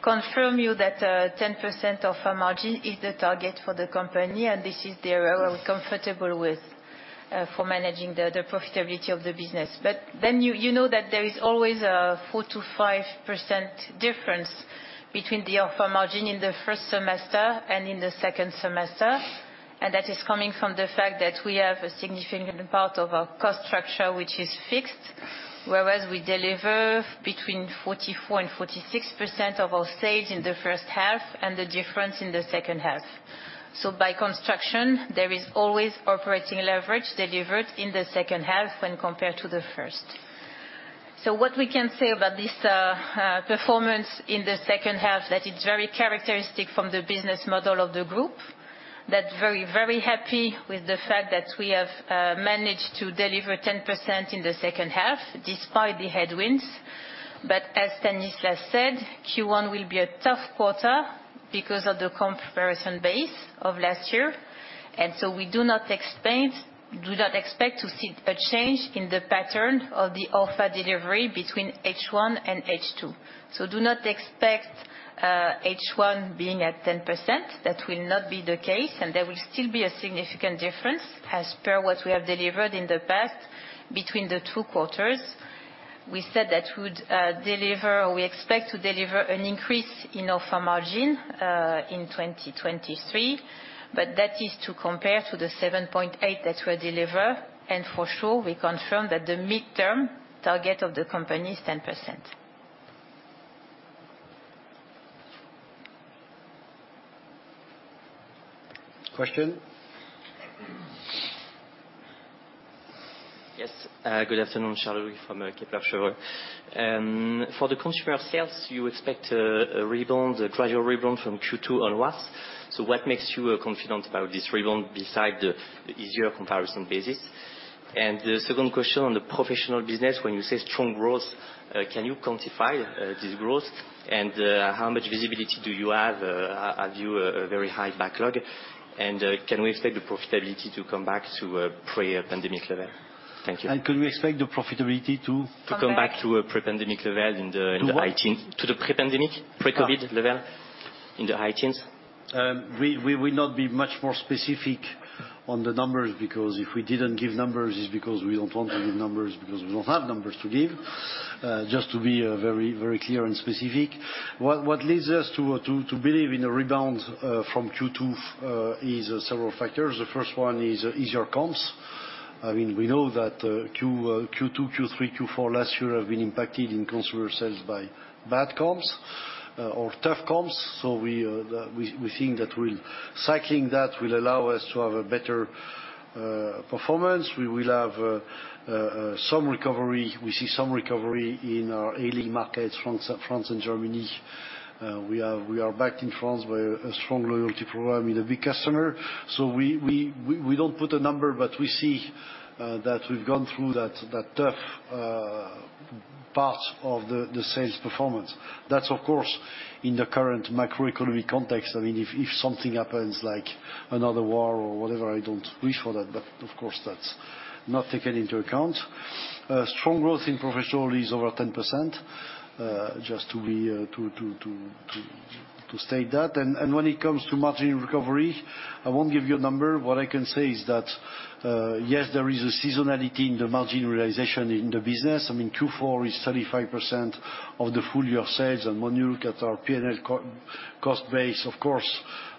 confirm you that ORfa margin is the target for the company, and this is the area we're comfortable with for managing the profitability of the business. You know that there is always a 4%-5% difference between ORfa margin in the first semester and in the second semester. That is coming from the fact that we have a significant part of our cost structure which is fixed. Whereas we deliver between 44%-46% of our sales in the first half, and the difference in the second half. By construction, there is always operating leverage delivered in the second half when compared to the first. What we can say about this performance in the second half, that it's very characteristic from the business model of the group. That's very, very happy with the fact that we have managed to deliver 10% in the second half despite the headwinds. As Denis has said, Q1 will be a tough quarter because of the comparison base of last year. We do not expect to see a change in the pattern of the offer delivery between H1 and H2. Do not expect H1 being at 10%. That will not be the case, and there will still be a significant difference as per what we have delivered in the past between the two quarters. We said that we'd deliver or we expect to deliver an increase ORfa margin in 2023. That is to compare to the 7.8% that we deliver. For sure, we confirm that the midterm target of the company is 10%. Question? Yes. Good afternoon, Charles-Louis Scotti from Kepler Cheuvreux. For the consumer sales, you expect a rebound, a gradual rebound from Q2 onwards. What makes you confident about this rebound beside the easier comparison basis? The second question on the Professional business, when you say strong growth, can you quantify this growth? How much visibility do you have? Have you a very high backlog? Can we expect the profitability to come back to pre-pandemic level? Thank you. Can we expect the profitability? To come back to a pre-pandemic level in the high teens. To what? To the pre-pandemic, pre-COVID level- Ah. in the high teens. We will not be much more specific on the numbers, because if we didn't give numbers, it's because we don't want to give numbers because we don't have numbers to give. Just to be very, very clear and specific, what leads us to believe in a rebound from Q2 is several factors. The first one is easier comps. I mean, we know that Q2, Q3, Q4 last year have been impacted in consumer sales by bad comps or tough comps. We think that cycling that will allow us to have a better performance. We will have some recovery. We see some recovery in our ailing markets, France and Germany. We are backed in France by a strong loyalty program with a big customer. We don't put a number, but we see that we've gone through that tough part of the sales performance. That's, of course, in the current macroeconomic context. I mean, if something happens like another war or whatever, I don't wish for that, but of course, that's not taken into account. Strong growth in Professional is over 10% just to be to state that. When it comes to margin recovery, I won't give you a number. What I can say is that yes, there is a seasonality in the margin realization in the business. I mean, Q4 is 35% of the full year sales. When you look at our P&L co-cost base, of course,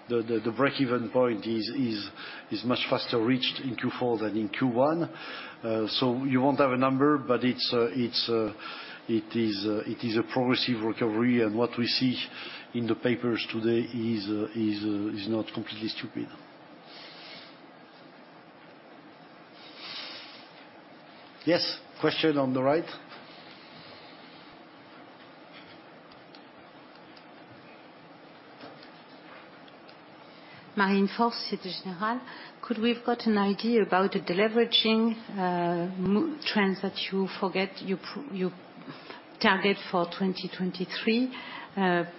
the breakeven point is much faster reached in Q4 than in Q1. You won't have a number, but it's, it is, it is a progressive recovery. What we see in the papers today is not completely stupid. Yes. Question on the right. Marie-Line Fort, Société Générale. Could we have got an idea about the deleveraging trends that you target for 2023,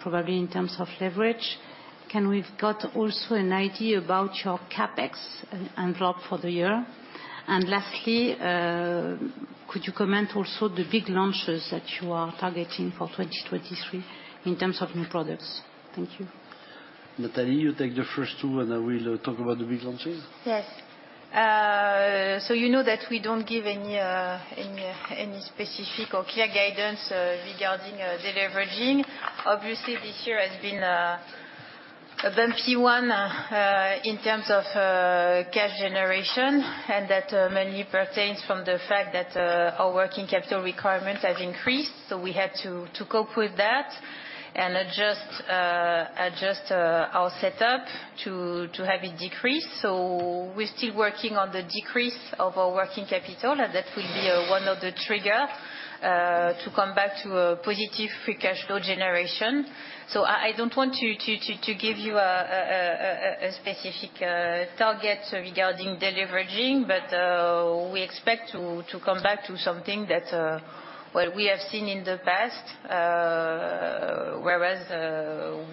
probably in terms of leverage? Can we've got also an idea about your CapEx envelope for the year? Lastly, could you comment also the big launches that you are targeting for 2023 in terms of new products? Thank you. Nathalie, you take the first two, and I will talk about the big launches. Yes. You know that we don't give any specific or clear guidance regarding deleveraging. Obviously, this year has been a bumpy one in terms of cash generation, and that mainly pertains from the fact that our working capital requirements have increased. We had to cope with that and adjust our setup to have it decrease. We're still working on the decrease of our working capital, and that will be one of the trigger to come back to a positive free cash flow generation. I don't want to give you a specific target regarding deleveraging. We expect to come back to something that what we have seen in the past, whereas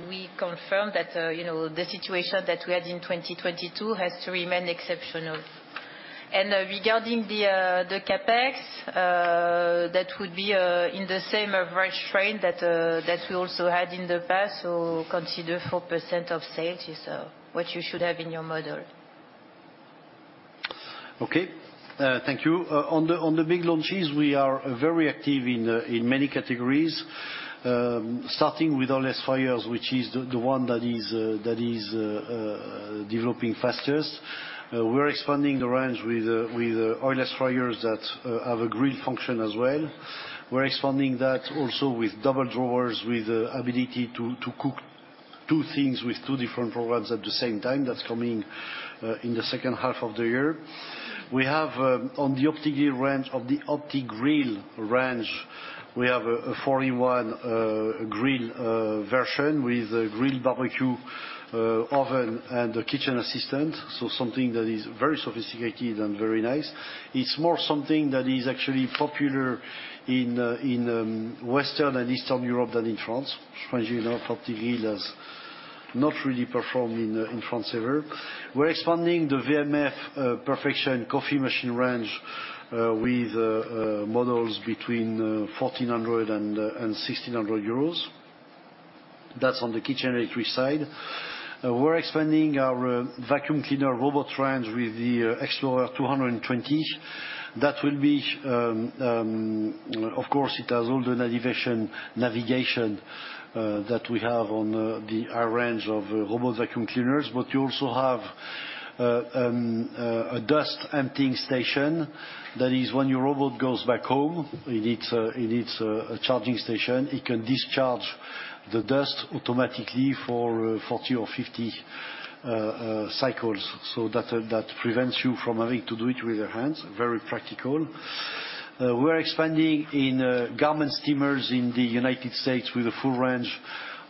we confirm that, you know, the situation that we had in 2022 has to remain exceptional. Regarding the CapEx, that would be in the same average trend that we also had in the past. Consider 4% of sales is what you should have in your model. Okay, thank you. On the big launches, we are very active in many categories. Starting with oil-less fryers, which is the one that is developing fastest. We're expanding the range with oil-less fryers that have a grill function as well. We're expanding that also with double drawers, with ability to cook two things with two different programs at the same time. That's coming in the second half of the year. We have, of the Optigrill range, we have a 41 grill version with a grill barbecue oven, and a kitchen assistant, so something that is very sophisticated and very nice. It's more something that is actually popular in Western and Eastern Europe than in France. Strangely enough, Optigrill has not really performed in France ever. We're expanding the WMF Perfection coffee machine range with models between 1,400 EUR and 1,600 euros. That's on the kitchen electric side. We're expanding our vacuum cleaner robot range with the X-Plorer Serie 220. That will be. Of course, it has all the navigation that we have on our range of robot vacuum cleaners. You also have a dust emptying station that is when your robot goes back home, it needs a charging station. It can discharge the dust automatically for 40 or 50 cycles. That prevents you from having to do it with your hands. Very practical. We're expanding in garment steamers in the United States with a full range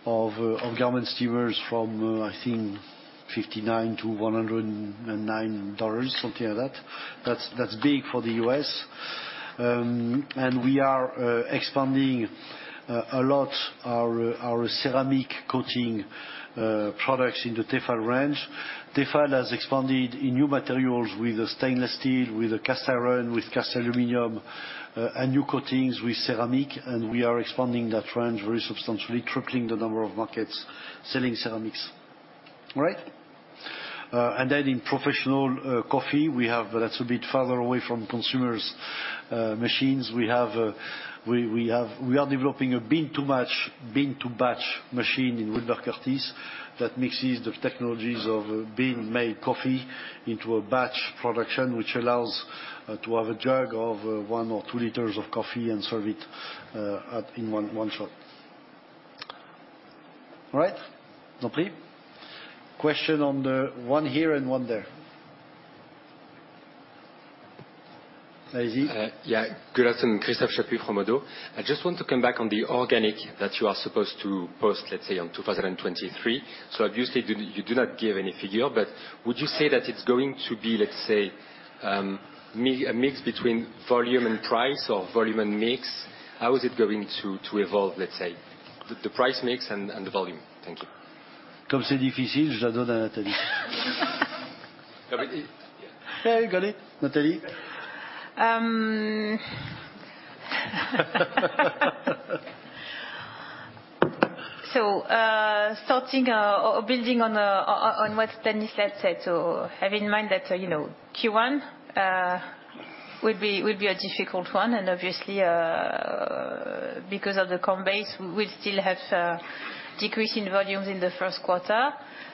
of garment steamers from, I think $59-$109, something like that. That's, that's big for the U.S. We are expanding a lot our ceramic coating products in the Tefal range. Tefal has expanded in new materials with a stainless steel, with a cast iron, with cast aluminum, and new coatings with ceramic, and we are expanding that range very substantially, tripling the number of markets selling ceramics. All right? In professional coffee, we have, that's a bit farther away from consumers, machines. We are developing a bean to batch machine in Wilbur Curtis that mixes the technologies of bean-made coffee into a batch production, which allows to have a jug of 1 or 2 L of coffee and serve it in one shot. All right? Question on the. One here and one there. Daisy? Yeah. Good afternoon. Christophe Chaput from ODDO. I just want to come back on the organic that you are supposed to post, let's say, on 2023. Obviously, you do not give any figure, but would you say that it's going to be, let's say, a mix between volume and price or volume and mix? How is it going to evolve, let's say, the price mix and the volume? Thank you. Yeah, you got it. Nathalie? Starting or building on what Denis has said, have in mind that, you know, Q1 will be a difficult one. Obviously, because of the comp base, we still have decrease in volumes in the first quarter.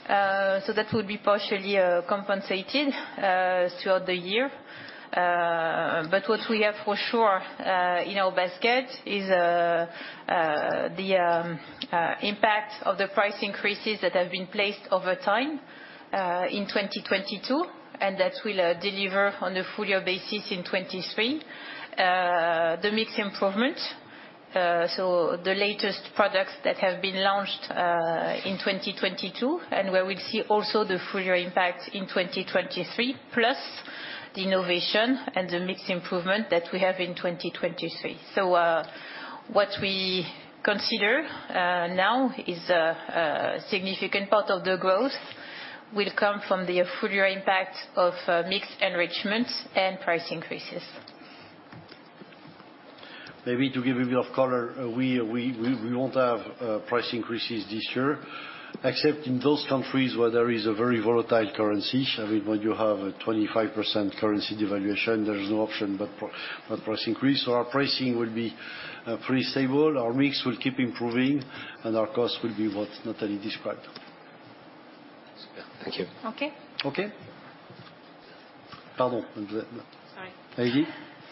That will be partially compensated throughout the year. What we have for sure in our basket is the impact of the price increases that have been placed over time in 2022, and that will deliver on a full year basis in 2023. The mix improvement, so the latest products that have been launched in 2022, and where we see also the full year impact in 2023, plus the innovation and the mix improvement that we have in 2023. What we consider now is a significant part of the growth will come from the full year impact of mix enrichments and price increases. Maybe to give a bit of color, we won't have price increases this year, except in those countries where there is a very volatile currency. I mean, when you have a 25% currency devaluation, there's no option but price increase. Our pricing will be pretty stable. Our mix will keep improving and our costs will be what Nathalie described. Supor. Thank you. Okay. Okay. Pardon. Daisy?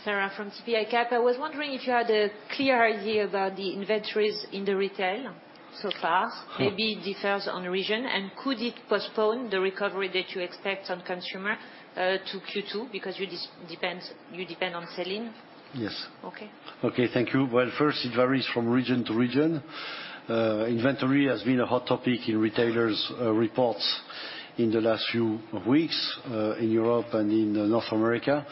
Sarah from J.P. Morgan. I was wondering if you had a clear idea about the inventories in the retail so far. Maybe it differs on region. Could it postpone the recovery that you expect on consumer to Q2 because you depend on selling? Yes. Okay. Okay. Thank you. Well, first, it varies from region to region. Inventory has been a hot topic in retailers' reports in the last few weeks in Europe and in North America.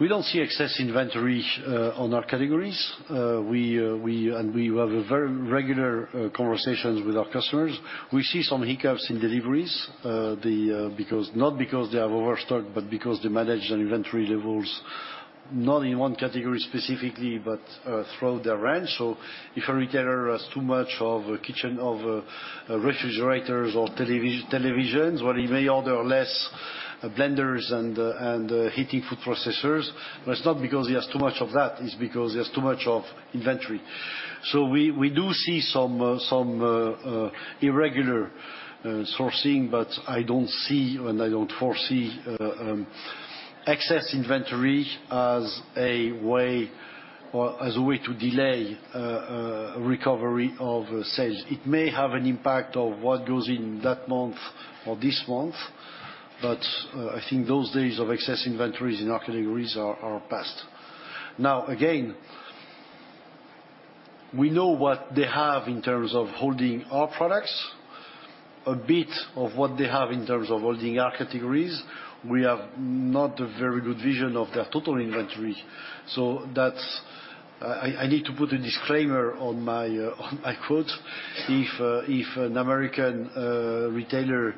We don't see excess inventory on our categories. We have a very regular conversations with our customers. We see some hiccups in deliveries because not because they are overstocked, but because they manage their inventory levels. Not in one category specifically, but throughout the range. If a retailer has too much of refrigerators or televisions, well, he may order less blenders and heating food processors. It's not because he has too much of that, it's because he has too much of inventory. We do see some irregular sourcing. I don't see, and I don't foresee, excess inventory as a way, or as a way to delay, recovery of sales. It may have an impact of what goes in that month or this month, but I think those days of excess inventories in our categories are past. Now, again, we know what they have in terms of holding our products, a bit of what they have in terms of holding our categories. We have not a very good vision of their total inventory. That's. I need to put a disclaimer on my quote. If an American retailer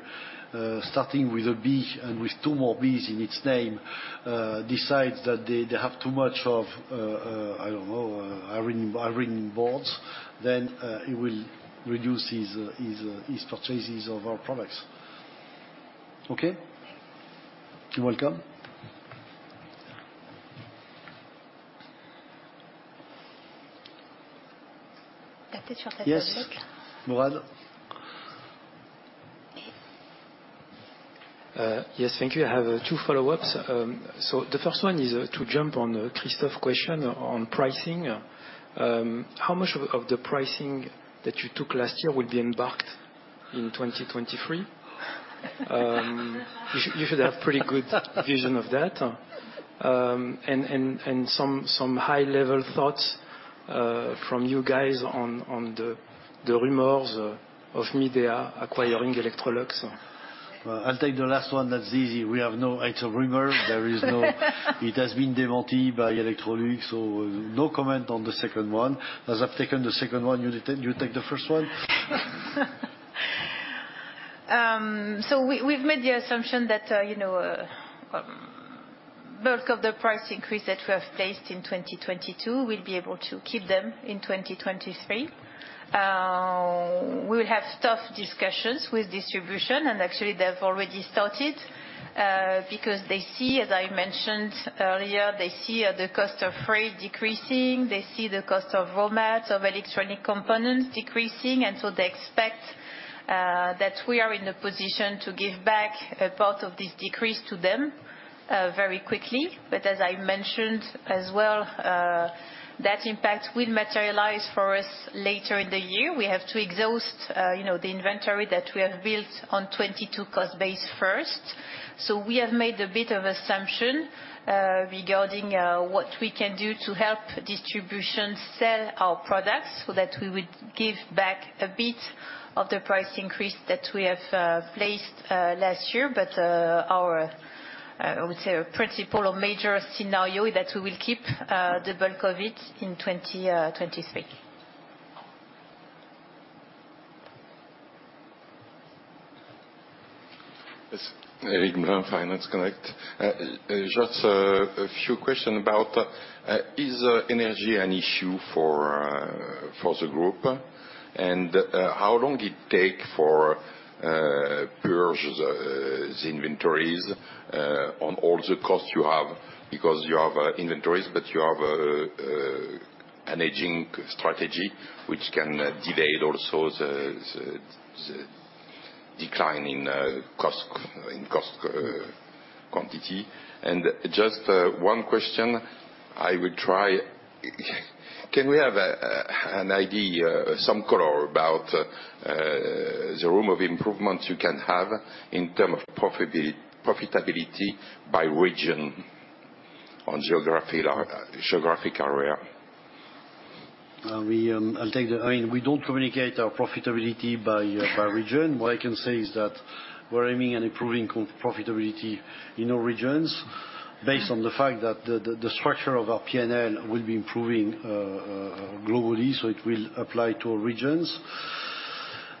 starting with a B and with two more Bs in its name decides that they have too much of I don't know ironing boards then it will reduce his purchases of our products. Okay? You're welcome. Yes. Mourad? Yes, thank you. I have two follow-ups. The first one is to jump on Christophe's question on pricing. How much of the pricing that you took last year will be embarked in 2023? You should have pretty good vision of that. And some high-level thoughts from you guys on the rumors of Midea acquiring Electrolux. Well, I'll take the last one. That's easy. We have no. It's a rumor. There is no. It has been debunked by Electrolux. No comment on the second one. As I've taken the second one, you take the first one. We've made the assumption that, you know, bulk of the price increase that we have placed in 2022, we'll be able to keep them in 2023. We'll have tough discussions with distribution, and actually they've already started, because they see, as I mentioned earlier, they see, the cost of freight decreasing. They see the cost of raw mats, of electronic components decreasing. They expect, that we are in a position to give back a part of this decrease to them, very quickly. As I mentioned as well, that impact will materialize for us later in the year. We have to exhaust, you know, the inventory that we have built on 2022 cost base first. We have made a bit of assumption, regarding, what we can do to help distribution sell our products so that we would give back a bit of the price increase that we have placed last year. Our, I would say our principle or major scenario is that we will keep, the bulk of it in 2023. Yes. Eric Blanc, HSBC. Just a few question about, is energy an issue for the group? How long it take for purge the inventories on all the costs you have? Because you have inventories, but you have an aging strategy which can delay also the decline in cost, in cost quantity. Just one question I will try. Can we have an idea, some color about the room of improvements you can have in term of profitability by region on geographic area? We, I mean, we don't communicate our profitability by region. What I can say is that we're aiming at improving co-profitability in all regions based on the fact that the structure of our P&L will be improving globally, it will apply to all regions.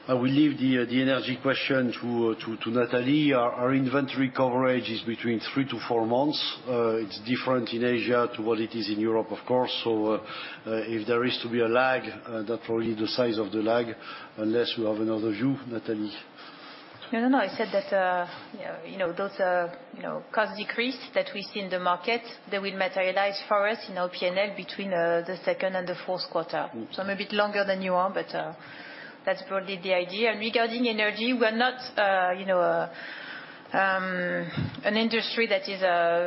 I will leave the energy question to Nathalie. Our inventory coverage is between 3-4 months. It's different in Asia to what it is in Europe, of course. If there is to be a lag, that's probably the size of the lag, unless you have another view, Nathalie. No, no. I said that, you know, those, you know, cost decrease that we see in the market, they will materialize for us in our P&L between the second and the fourth quarter. Maybe longer than you want, but that's probably the idea. Regarding energy, we're not, you know, an industry that is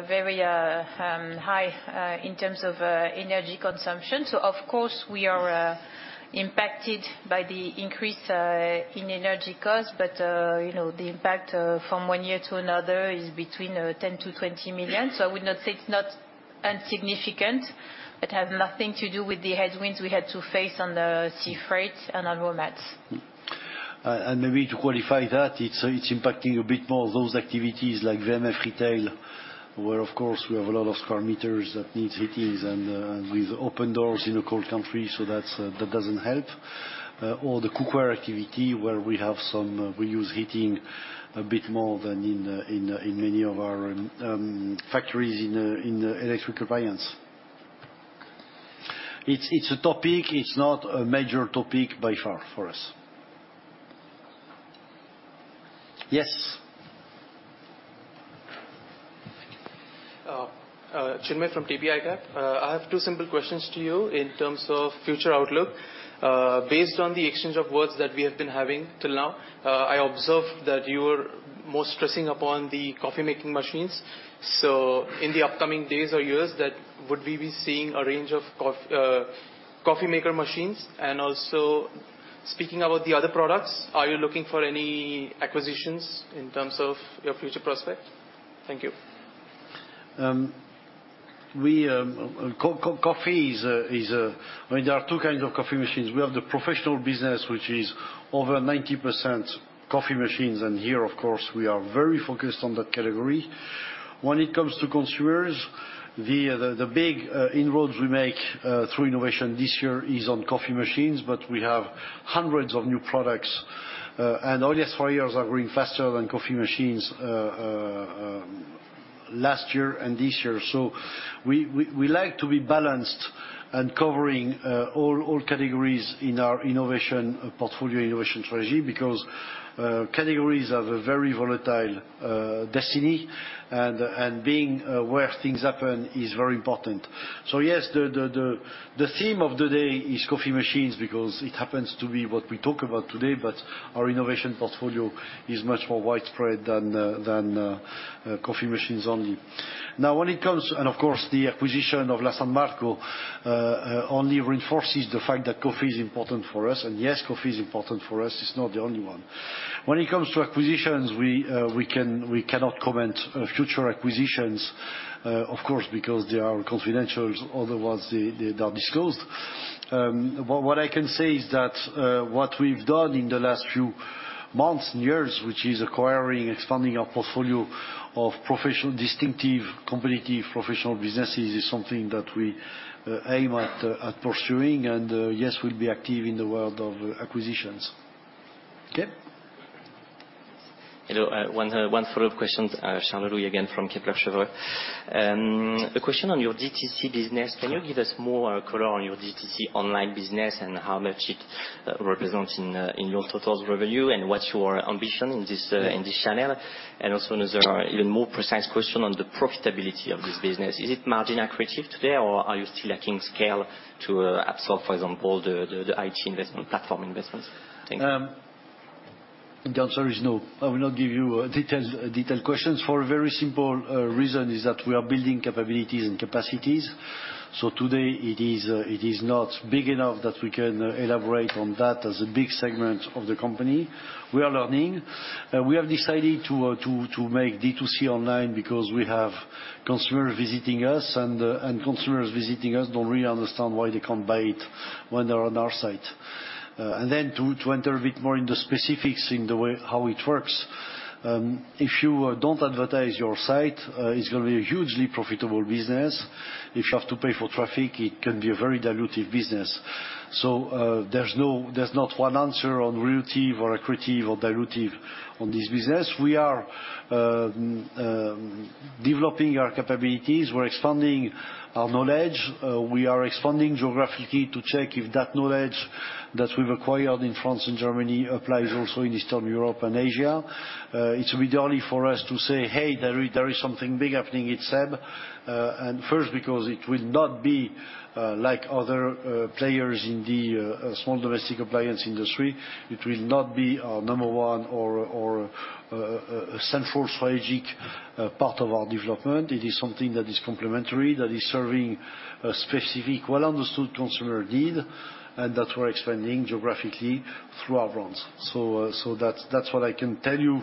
very high in terms of energy consumption. Of course, we are impacted by the increase in energy costs. You know, the impact from one year to another is between 10 million-20 million. I would not say it's not insignificant. It has nothing to do with the headwinds we had to face on the sea freight and on raw mats. Maybe to qualify that, it's impacting a bit more those activities like WMF Retail, where, of course, we have a lot of square meters that needs heatings and with open doors in a cold country, so that's that doesn't help. The cookware activity where we have some, we use heating a bit more than in many of our factories in electrical appliance. It's, it's a topic. It's not a major topic by far for us. Yes. Chinmay from ABGSC. I have two simple questions to you in terms of future outlook. Based on the exchange of words that we have been having till now, I observed that you were more stressing upon the coffee-making machines. In the upcoming days or years that, would we be seeing a range of coffee maker machines? Also, speaking about the other products, are you looking for any acquisitions in terms of your future prospect? Thank you. We, I mean, there are two kinds of coffee machines. We have the Professional business, which is over 90% coffee machines. Here, of course, we are very focused on that category. When it comes to consumers, the big inroads we make through innovation this year is on coffee machines. We have hundreds of new products. Oil less fryers are growing faster than coffee machines last year and this year. We like to be balanced and covering all categories in our innovation, portfolio innovation strategy because categories have a very volatile destiny and being where things happen is very important. Yes, the theme of the day is coffee machines because it happens to be what we talk about today, but our innovation portfolio is much more widespread than coffee machines only. Now, of course, the acquisition of La San Marco only reinforces the fact that coffee is important for us. Yes, coffee is important for us. It's not the only one. When it comes to acquisitions, we cannot comment on future acquisitions, of course, because they are confidential. Otherwise, they are disclosed. What I can say is that what we've done in the last few months and years, which is acquiring, expanding our portfolio of professional, distinctive, competitive professional businesses is something that we aim at pursuing. Yes, we'll be active in the world of acquisitions. Okay? Hello. One follow-up question. Charles-Louis Scotti again from Kepler Cheuvreux. A question on your D2C business. Can you give us more color on your D2C online business and how much it represents in your total revenue? What's your ambition in this channel? Also, another even more precise question on the profitability of this business. Is it margin accretive today, or are you still lacking scale to absorb, for example, the IT investment, platform investments? Thank you. The answer is no. I will not give you details, detailed questions for a very simple reason is that we are building capabilities and capacities. Today it is not big enough that we can elaborate on that as a big segment of the company. We are learning. We have decided to make D2C online because we have consumers visiting us, and consumers visiting us don't really understand why they can't buy it when they're on our site. Then to enter a bit more in the specifics in the way how it works, if you don't advertise your site, it's gonna be a hugely profitable business. If you have to pay for traffic, it can be a very dilutive business. There's no, there's not one answer on relative or accretive or dilutive on this business. We are developing our capabilities. We're expanding our knowledge. We are expanding geographically to check if that knowledge that we've acquired in France and Germany applies also in Eastern Europe and Asia. It's a bit early for us to say, "Hey, there is something big happening at SEB." First, because it will not be like other players in the small domestic appliance industry. It will not be our number 1 or central strategic part of our development. It is something that is complementary, that is serving a specific well-understood consumer need, and that we're expanding geographically through our brands. That's, that's what I can tell you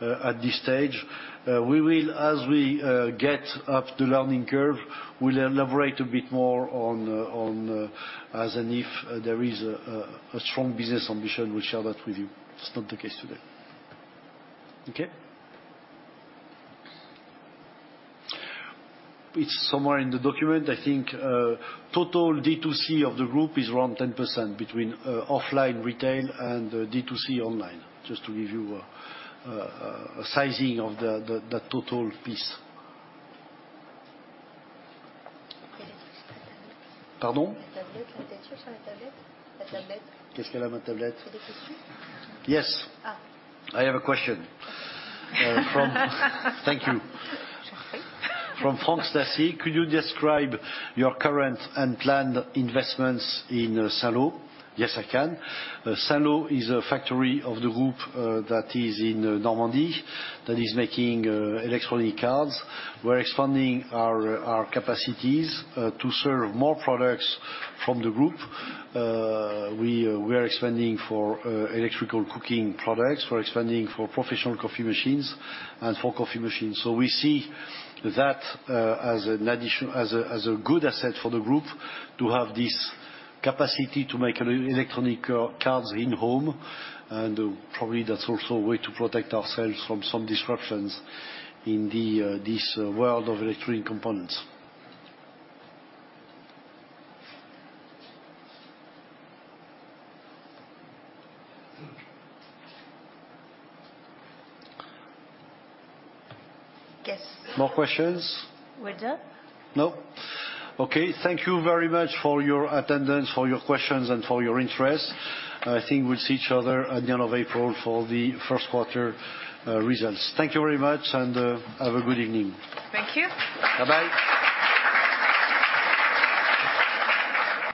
at this stage. We will, as we get up the learning curve, we'll elaborate a bit more on, as and if there is a strong business ambition, we'll share that with you. It's not the case today. Okay? It's somewhere in the document. I think total D2C of the group is around 10% between offline retail and D2C online, just to give you a sizing of the total piece. Pardon? Yes. Ah. I have a question. Thank you. From Franck Stassi: Could you describe your current and planned investments in Saint-Lô? Yes, I can. Saint-Lô is a factory of the group that is in Normandy, that is making electronic cards. We're expanding our capacities to serve more products from the group. We are expanding for electrical cooking products. We're expanding for professional coffee machines and for coffee machines. We see that as a good asset for the group to have this capacity to make electronic cards in home. Probably that's also a way to protect ourselves from some disruptions in the this world of electronic components. Yes. More questions? We're done. No? Okay, thank you very much for your attendance, for your questions, and for your interest. I think we'll see each other at the end of April for the first quarter results. Thank you very much, have a good evening. Thank you. Bye-bye.